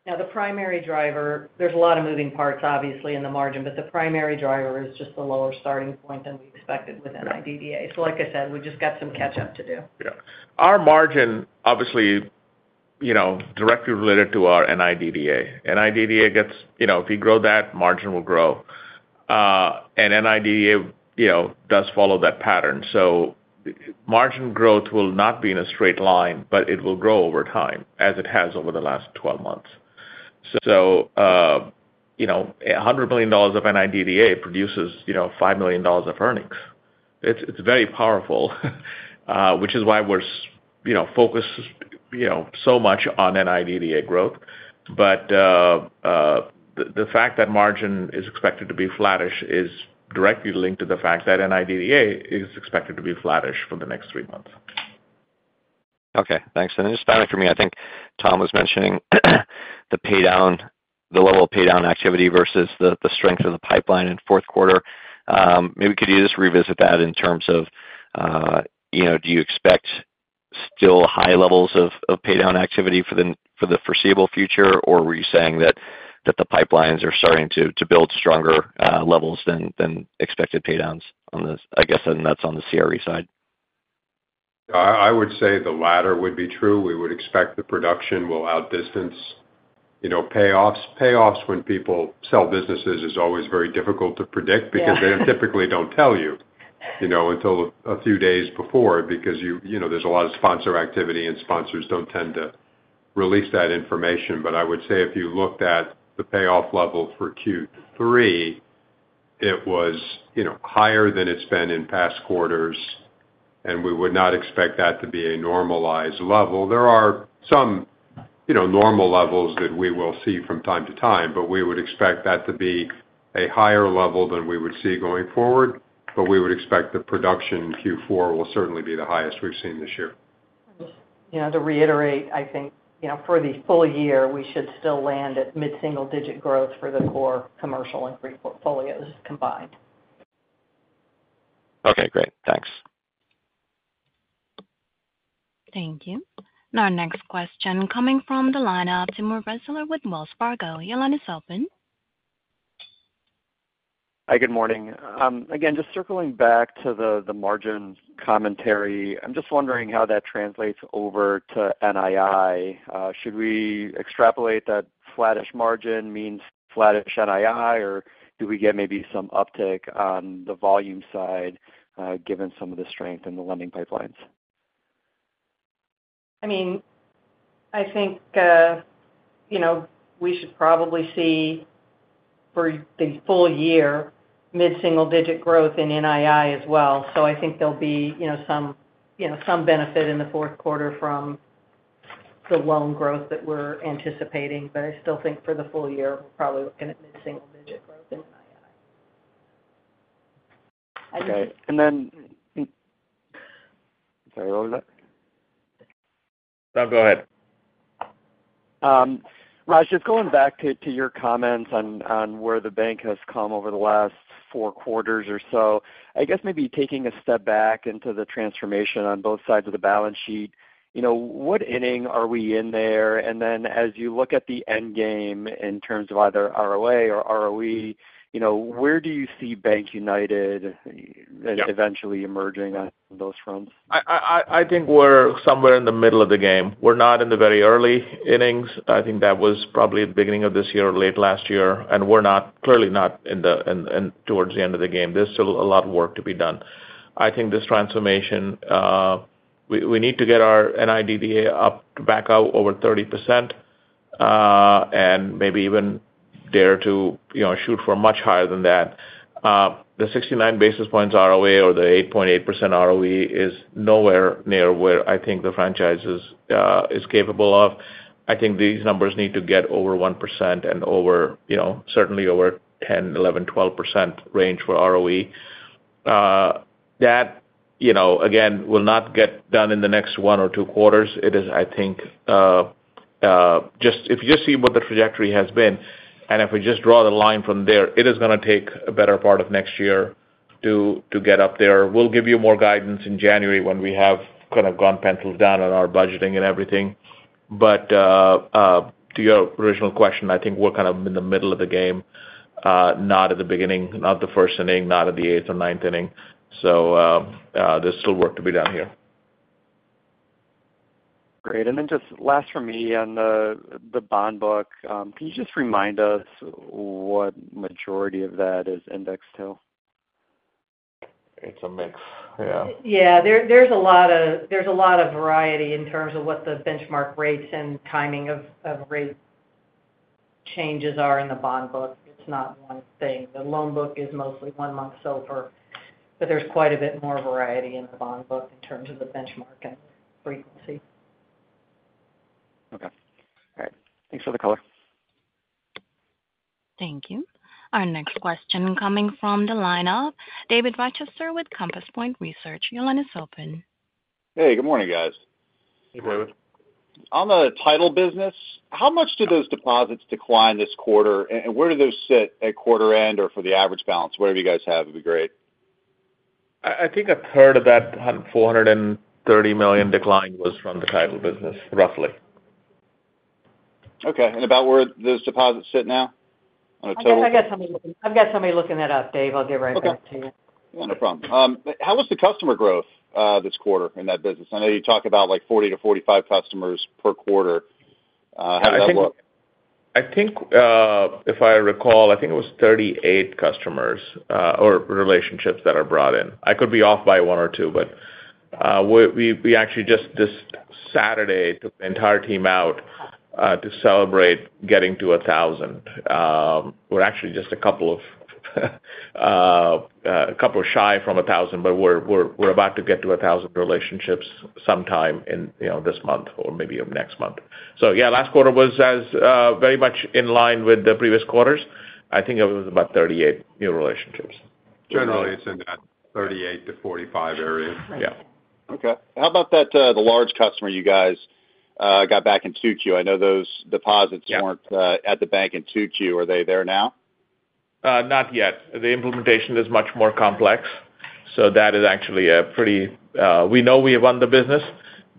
Now, the primary driver, there's a lot of moving parts, obviously, in the margin, but the primary driver is just the lower starting point than we expected with NIDDA. So like I said, we just got some catch up to do. Yeah. Our margin, obviously, you know, directly related to our NIDDA. NIDDA gets, you know, if you grow that, margin will grow. And NIDDA, you know, does follow that pattern. So margin growth will not be in a straight line, but it will grow over time, as it has over the last 12 months. So, you know, $100 million of NIDDA produces, you know, $5 million of earnings. It's very powerful, which is why we're so focused, you know, so much on NIDDA growth. But the fact that margin is expected to be flattish is directly linked to the fact that NIDDA is expected to be flattish for the next three months. Okay, thanks. And just finally, for me, I think Tom was mentioning the pay down, the level of pay down activity versus the strength of the pipeline in fourth quarter. Maybe could you just revisit that in terms of, you know, do you expect still high levels of pay down activity for the foreseeable future? Or were you saying that the pipelines are starting to build stronger levels than expected pay downs on this? I guess, and that's on the CRE side. I would say the latter would be true. We would expect the production will outdistance, you know, payoffs. Payoffs when people sell businesses is always very difficult to predict. Yeah. because they typically don't tell you, you know, until a few days before because you, you know, there's a lot of sponsor activity, and sponsors don't tend to release that information. But I would say if you looked at the payoff level for Q3, it was, you know, higher than it's been in past quarters, and we would not expect that to be a normalized level. There are some, you know, normal levels that we will see from time to time, but we would expect that to be a higher level than we would see going forward. But we would expect the production in Q4 will certainly be the highest we've seen this year. Yeah, to reiterate, I think, you know, for the full year, we should still land at mid-single-digit growth for the core commercial and C&I portfolios combined. Okay, great. Thanks. Thank you. Our next question coming from the line of Timur Braziler with Wells Fargo. Your line is open. Hi, good morning. Again, just circling back to the margin commentary. I'm just wondering how that translates over to NII. Should we extrapolate that flattish margin means flattish NII? Or do we get maybe some uptick on the volume side, given some of the strength in the lending pipelines? I mean, I think, you know, we should probably see for the full year mid-single-digit growth in NII as well. So I think there'll be, you know, some, you know, some benefit in the fourth quarter from the loan growth that we're anticipating. But I still think for the full year, we're probably going to be mid-single-digit growth in NII. Okay. And then sorry, what was that? No, go ahead. Raj, just going back to your comments on where the bank has come over the last four quarters or so, I guess maybe taking a step back into the transformation on both sides of the balance sheet. You know, what inning are we in there? And then as you look at the end game in terms of either ROA or ROE, you know, where do you see BankUnited as eventually emerging on those fronts? I think we're somewhere in the middle of the game. We're not in the very early innings. I think that was probably at the beginning of this year or late last year, and we're not clearly not towards the end of the game. There's still a lot of work to be done. I think this transformation, we need to get our NIDDA up back out over 30%, and maybe even dare to, you know, shoot for much higher than that. The 69 basis points ROA or the 8.8% ROE is nowhere near where I think the franchise is capable of. I think these numbers need to get over 1% and over, you know, certainly over 10%, 11%, 12% range for ROE. That, you know, again, will not get done in the next one or two quarters. It is, I think, just if you just see what the trajectory has been, and if we just draw the line from there, it is going to take a better part of next year to get up there. We'll give you more guidance in January when we have kind of gone pencils down on our budgeting and everything. But to your original question, I think we're kind of in the middle of the game, not at the beginning, not the first inning, not at the eighth or ninth inning. So there's still work to be done here. Great. And then, just last for me on the bond book. Can you just remind us what the majority of that is indexed to? It's a mix, yeah. Yeah, there's a lot of variety in terms of what the benchmark rates and timing of rate changes are in the bond book. It's not one thing. The loan book is mostly one month SOFR, but there's quite a bit more variety in the bond book in terms of the benchmark and frequency. Okay. All right. Thanks for the color. Thank you. Our next question coming from the line of David Rochester with Compass Point Research. Your line is open. Hey, good morning, guys. Hey, David. On the title business, how much do those deposits decline this quarter, and where do those sit at quarter end or for the average balance? Whatever you guys have would be great. I think a third of that $430 million decline was from the title business, roughly. Okay, and about where those deposits sit now, on a total? I guess I got somebody looking, I've got somebody looking that up, Dave. I'll get right back to you. Okay. Yeah, no problem. How was the customer growth this quarter in that business? I know you talk about, like, 40-45 customers per quarter. How did that look? I think if I recall, I think it was 38 customers or relationships that are brought in. I could be off by one or two, but we actually just this Saturday took the entire team out to celebrate getting to 1,000. We're actually just a couple shy from 1,000, but we're about to get to 1,000 relationships sometime in, you know, this month or maybe next month. So yeah, last quarter was very much in line with the previous quarters. I think it was about 38 new relationships. Generally, it's in that 38-45 area. Right. Yeah. Okay. How about that, the large customer you guys got back in 2Q? I know those deposits weren't at the bank in 2Q. Are they there now? Not yet. The implementation is much more complex, so that is actually. We know we have won the business,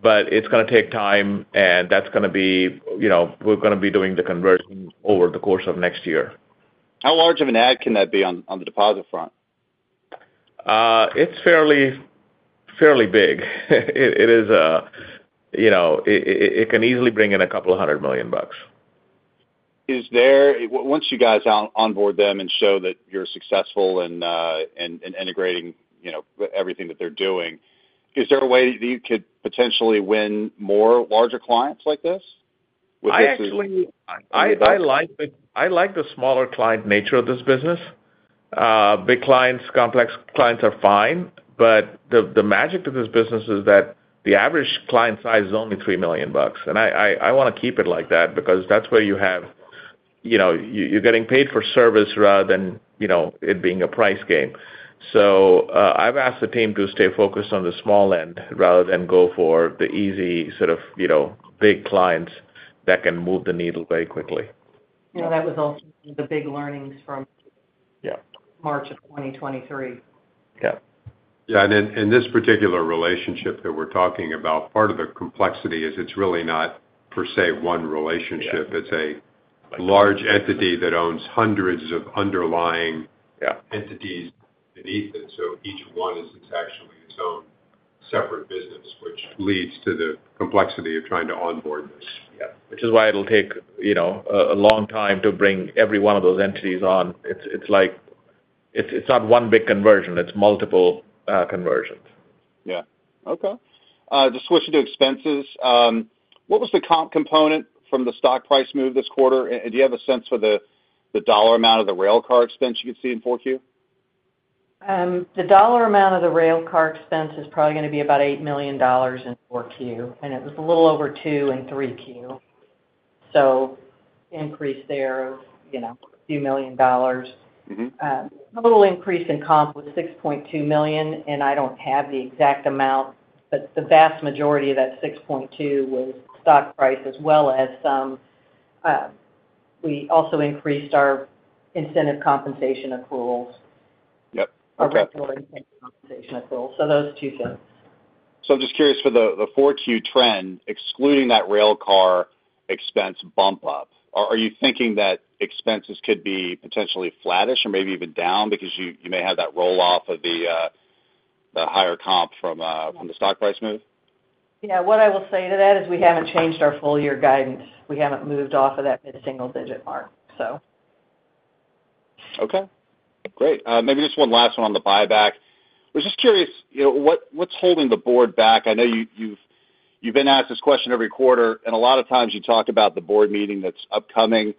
but it's gonna take time, and that's gonna be, you know, we're gonna be doing the conversion over the course of next year. How large of an add can that be on the deposit front? It's fairly big. It is, you know, it can easily bring in a couple $100 million. Once you guys onboard them and show that you're successful in integrating, you know, everything that they're doing, is there a way that you could potentially win more larger clients like this? Would this be- I actually like the smaller client nature of this business. Big clients, complex clients are fine, but the magic to this business is that the average client size is only $3 million, and I wanna keep it like that because that's where you have, you know, you're getting paid for service rather than, you know, it being a price game. So, I've asked the team to stay focused on the small end rather than go for the easy sort of, you know, big clients that can move the needle very quickly. You know, that was also the big learnings from March of 2023. Yeah. Yeah, and in this particular relationship that we're talking about, part of the complexity is it's really not, per se, one relationship. It's a large entity that owns hundreds of underlying sub-entities beneath it, so each one is actually its own separate business, which leads to the complexity of trying to onboard this. Yeah. Which is why it'll take, you know, a long time to bring every one of those entities on. It's not one big conversion, it's multiple conversions. Yeah. Okay. To switch to expenses, what was the comp component from the stock price move this quarter? And do you have a sense for the dollar amount of the railcar expense you could see in 4Q? The dollar amount of the railcar expense is probably gonna be about $8 million in 4Q, and it was a little over $2 million in 3Q. So increase there of, you know, a few million dollars. A little increase in comp was $6.2 million, and I don't have the exact amount, but the vast majority of that $6.2 million was stock price as well as some, we also increased our incentive compensation approvals. Yep. Okay. Our regular compensation approval, so those two things. So I'm just curious for the 4Q trend, excluding that railcar expense bump up, are you thinking that expenses could be potentially flattish or maybe even down because you may have that roll off of the higher comp from the stock price move? Yeah. What I will say to that is we haven't changed our full year guidance. We haven't moved off of that mid-single digit mark, so. Okay, great. Maybe just one last one on the buyback. I was just curious, you know, what, what's holding the board back? I know you've been asked this question every quarter, and a lot of times you talk about the board meeting that's upcoming,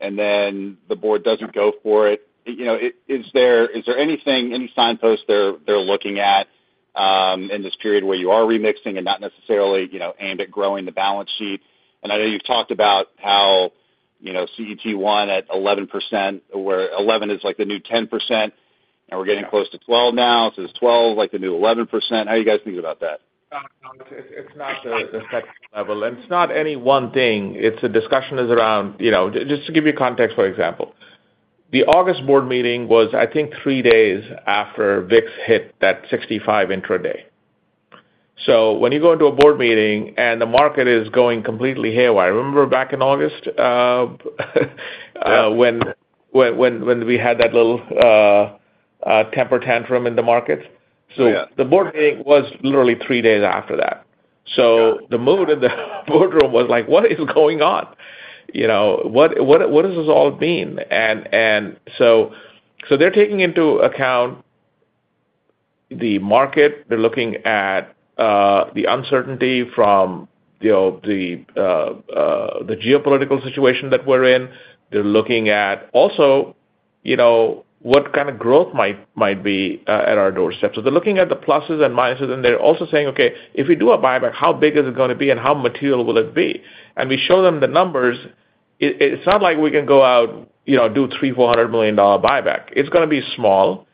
and then the board doesn't go for it. You know, is there anything, any signposts they're looking at, in this period where you are remixing and not necessarily, you know, aimed at growing the balance sheet? And I know you've talked about how, you know, CET1 at 11%, where 11% is like the new 10%, and we're getting close to 12% now. So is 12% like the new 11%? How do you guys think about that? No, it's not the second level, and it's not any one thing. It's a discussion is around. You know, just to give you context, for example, the August board meeting was, I think, three days after VIX hit that 65 intraday. So when you go into a board meeting and the market is going completely haywire, remember back in August when we had that little temper tantrum in the market? Yeah. So the board meeting was literally three days after that. So the mood in the boardroom was like: What is going on? You know, what does this all mean? And so they're taking into account the market. They're looking at the uncertainty from, you know, the geopolitical situation that we're in. They're looking at also, you know, what kind of growth might be at our doorstep. So they're looking at the pluses and minuses, and they're also saying, "Okay, if we do a buyback, how big is it gonna be and how material will it be?" And we show them the numbers, it's not like we can go out, you know, do $300 million, $400 million buyback. It's gonna be small.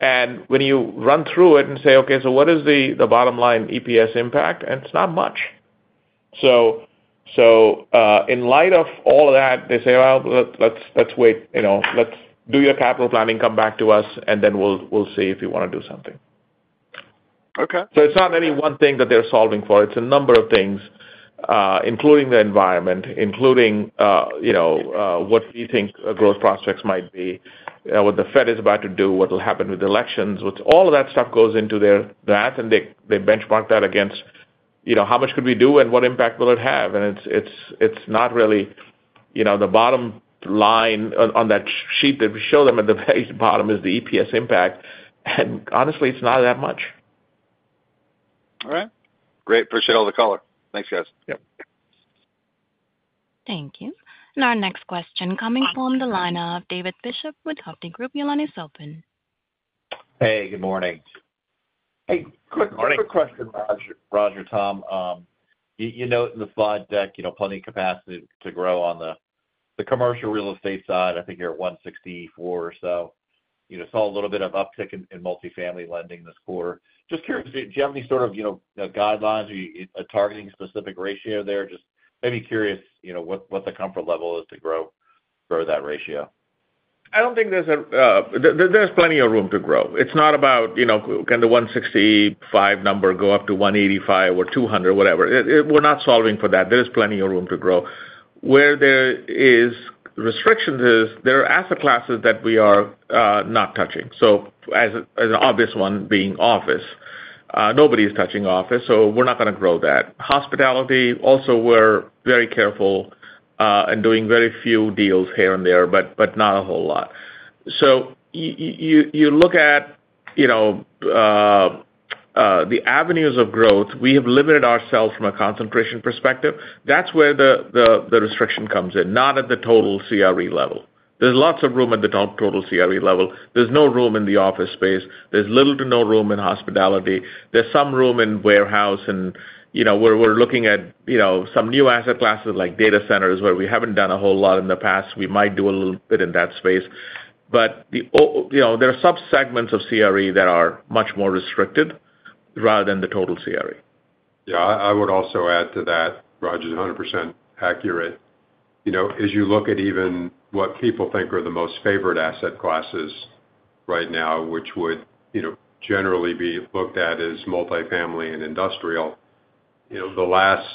And when you run through it and say: Okay, so what is the bottom line EPS impact? And it's not much. So, in light of all of that, they say, "Well, let's wait, you know. Let's do your capital planning, come back to us, and then we'll see if you wanna do something. Okay. So it's not any one thing that they're solving for. It's a number of things, including the environment, you know, what we think growth prospects might be, what the Fed is about to do, what will happen with elections. With all of that stuff goes into their that, and they benchmark that against, you know, how much could we do and what impact will it have? And it's not really, you know, the bottom line on that sheet that we show them at the very bottom is the EPS impact, and honestly, it's not that much. All right. Great. Appreciate all the color. Thanks, guys. Yep. Thank you. Our next question coming from the line of David Bishop with Hovde Group. Your line is open. Hey, good morning. Hey, quick question, Raj, Tom. You note in the slide deck, you know, plenty of capacity to grow on the commercial real estate side. I think you're at 164 or so. You know, saw a little bit of uptick in multifamily lending this quarter. Just curious, do you have any sort of, you know, guidelines, are you targeting a specific ratio there? Just maybe curious, you know, what the comfort level is to grow for that ratio. I don't think there's a... There's plenty of room to grow. It's not about, you know, can the 165 number go up to 185 or 200, whatever. It-- we're not solving for that. There is plenty of room to grow. Where there is restrictions is, there are asset classes that we are not touching, so as an obvious one being office. Nobody's touching office, so we're not gonna grow that. Hospitality, also, we're very careful in doing very few deals here and there, but not a whole lot. So you look at, you know, the avenues of growth, we have limited ourselves from a concentration perspective. That's where the restriction comes in, not at the total CRE level. There's lots of room at the top total CRE level. There's no room in the office space. There's little to no room in hospitality. There's some room in warehouse and, you know, we're looking at, you know, some new asset classes like data centers, where we haven't done a whole lot in the past. We might do a little bit in that space. But you know, there are subsegments of CRE that are much more restricted, rather than the total CRE. Yeah, I would also add to that, Roger, is 100% accurate. You know, as you look at even what people think are the most favorite asset classes right now, which would, you know, generally be looked at as multifamily and industrial, you know, the last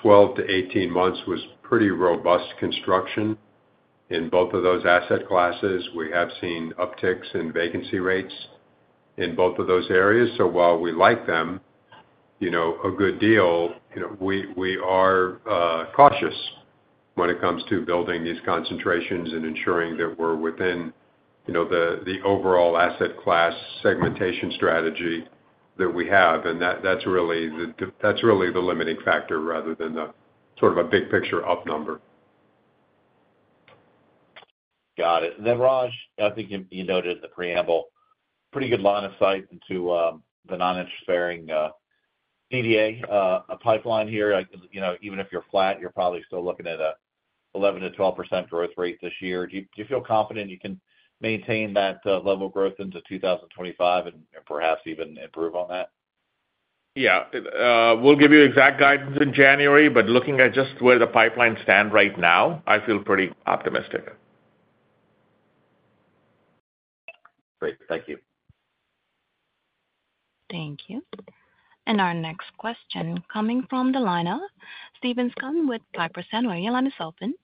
12 to 18 months was pretty robust construction in both of those asset classes. We have seen upticks in vacancy rates in both of those areas. So while we like them, you know, a good deal, you know, we are cautious when it comes to building these concentrations and ensuring that we're within, you know, the overall asset class segmentation strategy that we have. And that, that's really the limiting factor rather than the sort of a big picture up number. Got it. Then, Raj, I think you noted in the preamble, pretty good line of sight into the non-interest-bearing DDA pipeline here. Like, you know, even if you're flat, you're probably still looking at an 11%-12% growth rate this year. Do you feel confident you can maintain that level of growth into 2025 and perhaps even improve on that? Yeah. We'll give you exact guidance in January, but looking at just where the pipeline stand right now, I feel pretty optimistic. Great. Thank you. Thank you. And our next question coming from the line of Stephen Scouten with Piper Sandler. Your line is open.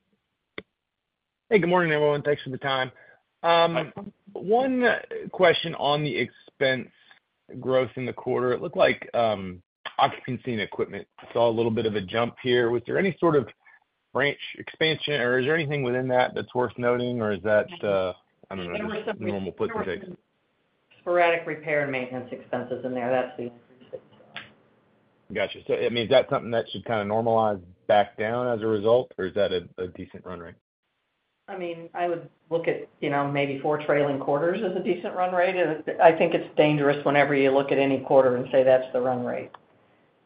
Hey, good morning, everyone, and thanks for the time. One question on the expense growth in the quarter. It looked like, occupancy and equipment saw a little bit of a jump here. Was there any sort of branch expansion, or is there anything within that that's worth noting, or is that just, I don't know, just normal put the- Sporadic repair and maintenance expenses in there. That's the increase that you saw. Got you. So I mean, is that something that should kind of normalize back down as a result, or is that a decent run rate? I mean, I would look at, you know, maybe four trailing quarters as a decent run rate, and I think it's dangerous whenever you look at any quarter and say that's the run rate.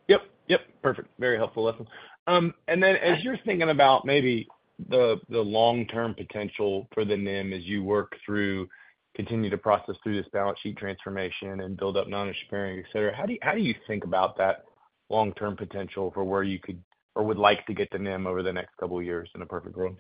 Yep, yep. Perfect. Very helpful lesson. And then as you're thinking about maybe the long-term potential for the NIM, as you work through, continue to process through this balance sheet transformation and build up non-interest-bearing, et cetera, how do you think about that long-term potential for where you could or would like to get to NIM over the next couple of years in a perfect world?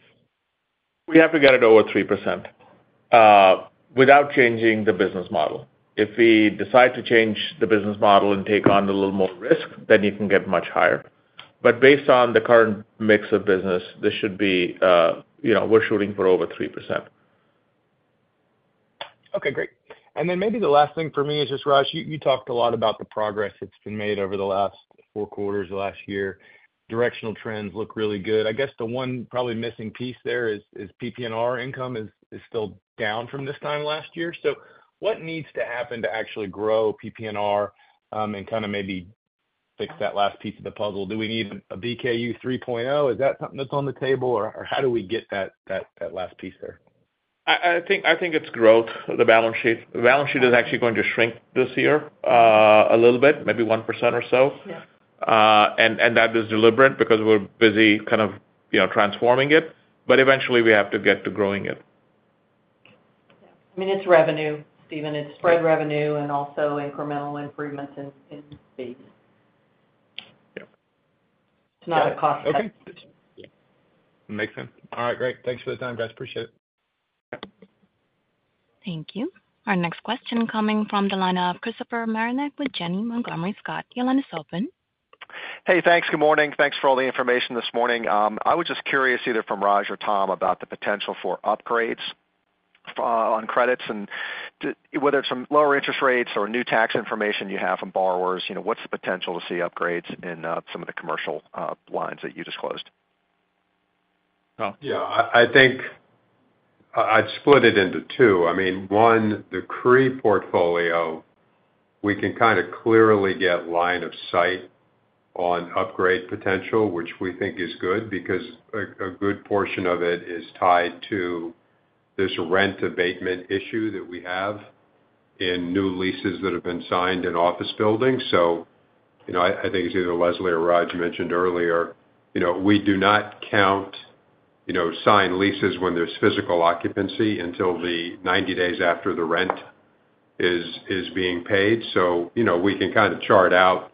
We have to get it over 3%, without changing the business model. If we decide to change the business model and take on a little more risk, then you can get much higher. But based on the current mix of business, this should be, you know, we're shooting for over 3%. Okay, great. And then maybe the last thing for me is just, Raj, you talked a lot about the progress that's been made over the last four quarters, the last year. Directional trends look really good. I guess the one probably missing piece there is PPNR income is still down from this time last year. So what needs to happen to actually grow PPNR, and kind of maybe fix that last piece of the puzzle? Do we need a BKU 3.0? Is that something that's on the table, or how do we get that last piece there? I think it's growth. The balance sheet. The balance sheet is actually going to shrink this year, a little bit, maybe 1% or so. Yeah. And that is deliberate because we're busy kind of, you know, transforming it, but eventually we have to get to growing it. I mean, it's revenue, Steven. It's spread revenue and also incremental improvements in fees. It's not a cost. Okay. Makes sense. All right, great. Thanks for the time, guys. Appreciate it. Thank you. Our next question coming from the line of Christopher Marinac with Janney Montgomery Scott. Your line is open. Hey, thanks. Good morning. Thanks for all the information this morning. I was just curious, either from Raj or Tom, about the potential for upgrades on credits and whether it's from lower interest rates or new tax information you have from borrowers, you know, what's the potential to see upgrades in some of the commercial lines that you just closed? Yeah, I think I'd split it into two. I mean, one, the CRE portfolio, we can kind of clearly get line of sight on upgrade potential, which we think is good because a good portion of it is tied to this rent abatement issue that we have in new leases that have been signed in office buildings. So, you know, I think it's either Leslie or Raj mentioned earlier, you know, we do not count, you know, signed leases when there's physical occupancy until the 90 days after the rent is being paid. So, you know, we can kind of chart out,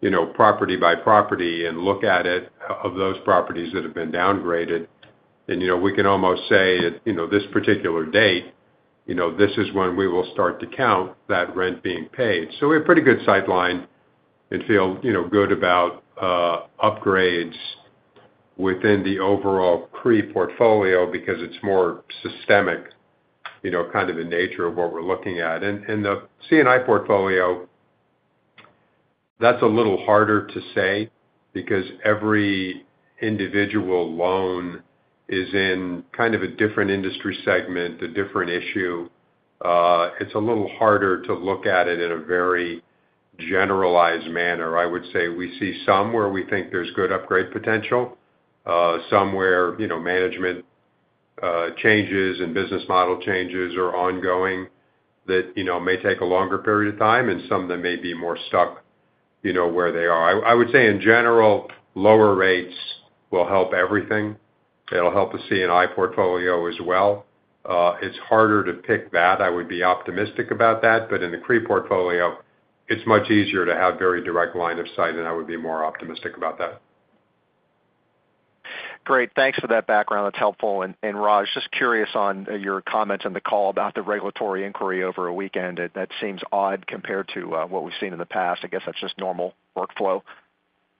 you know, property by property and look at it, of those properties that have been downgraded. You know, we can almost say at this particular date, you know, this is when we will start to count that rent being paid. So we have pretty good sight line and feel, you know, good about upgrades within the overall CRE portfolio because it's more systemic, you know, kind of the nature of what we're looking at. And the C&I portfolio, that's a little harder to say because every individual loan is in kind of a different industry segment, a different issue. It's a little harder to look at it in a very generalized manner. I would say we see some where we think there's good upgrade potential, some where, you know, management changes and business model changes are ongoing that, you know, may take a longer period of time, and some that may be more stuck, you know, where they are. I would say in general, lower rates will help everything. It'll help the C&I portfolio as well. It's harder to pick that. I would be optimistic about that, but in the CRE portfolio, it's much easier to have very direct line of sight, and I would be more optimistic about that. Great. Thanks for that background. That's helpful. And, and Raj, just curious on your comments on the call about the regulatory inquiry over a weekend. That, that seems odd compared to what we've seen in the past. I guess that's just normal workflow.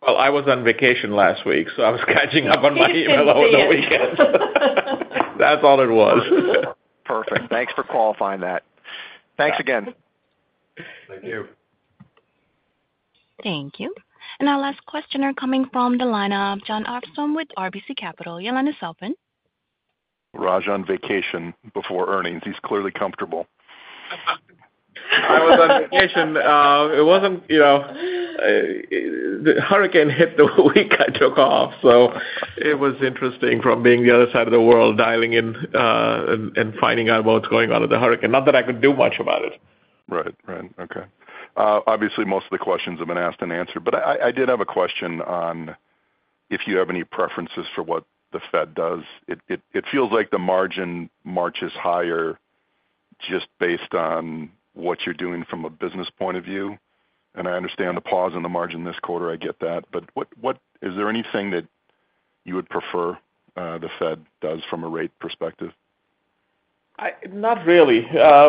I was on vacation last week, so I was catching up on my email over the weekend. That's all it was. Perfect. Thanks for qualifying that. Thanks again. Thank you. Thank you. And our last questioner coming from the line of Jon Arfstrom with RBC Capital. Your line is open. Raj on vacation before earnings. He's clearly comfortable. I was on vacation. It wasn't, you know, the hurricane hit the week I took off, so it was interesting from being the other side of the world, dialing in, and finding out what's going on with the hurricane. Not that I could do much about it. Right. Right. Okay. Obviously, most of the questions have been asked and answered, but I, I did have a question on if you have any preferences for what the Fed does. It feels like the margin marches higher just based on what you're doing from a business point of view. And I understand the pause in the margin this quarter, I get that, but what, what. Is there anything that you would prefer, the Fed does from a rate perspective? Not really.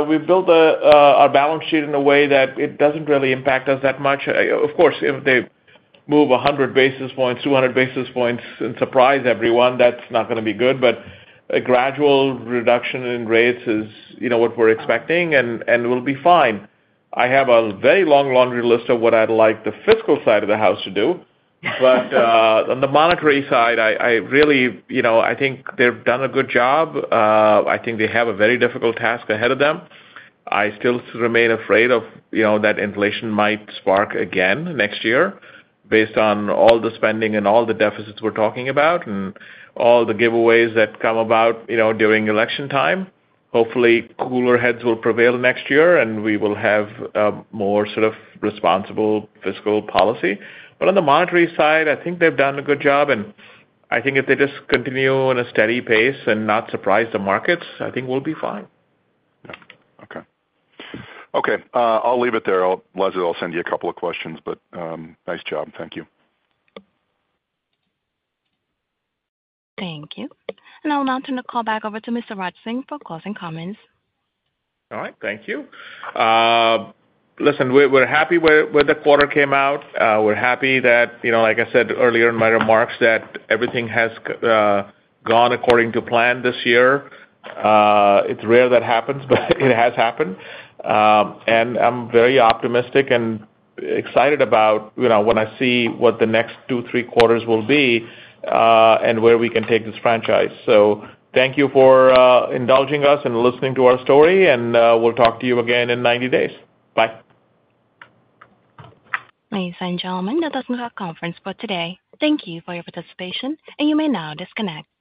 We've built our balance sheet in a way that it doesn't really impact us that much. Of course, if they move a hundred basis points, two hundred basis points and surprise everyone, that's not going to be good. But a gradual reduction in rates is, you know, what we're expecting, and we'll be fine. I have a very long laundry list of what I'd like the fiscal side of the house to do. But on the monetary side, I really, you know, I think they've done a good job. I think they have a very difficult task ahead of them. I still remain afraid of, you know, that inflation might spark again next year based on all the spending and all the deficits we're talking about, and all the giveaways that come about, you know, during election time. Hopefully, cooler heads will prevail next year, and we will have a more sort of responsible fiscal policy. But on the monetary side, I think they've done a good job, and I think if they just continue on a steady pace and not surprise the markets, I think we'll be fine. Yeah. Okay. Okay, I'll leave it there. I'll—Leslie, I'll send you a couple of questions, but, nice job. Thank you. Thank you. And I'll now turn the call back over to Mr. Raj Singh for closing comments. All right. Thank you. Listen, we're happy where the quarter came out. We're happy that, you know, like I said earlier in my remarks, that everything has gone according to plan this year. It's rare that happens, but it has happened and I'm very optimistic and excited about, you know, when I see what the next two, three quarters will be and where we can take this franchise, so thank you for indulging us and listening to our story, and we'll talk to you again in ninety days. Bye. Ladies and gentlemen, that does end our conference for today. Thank you for your participation, and you may now disconnect.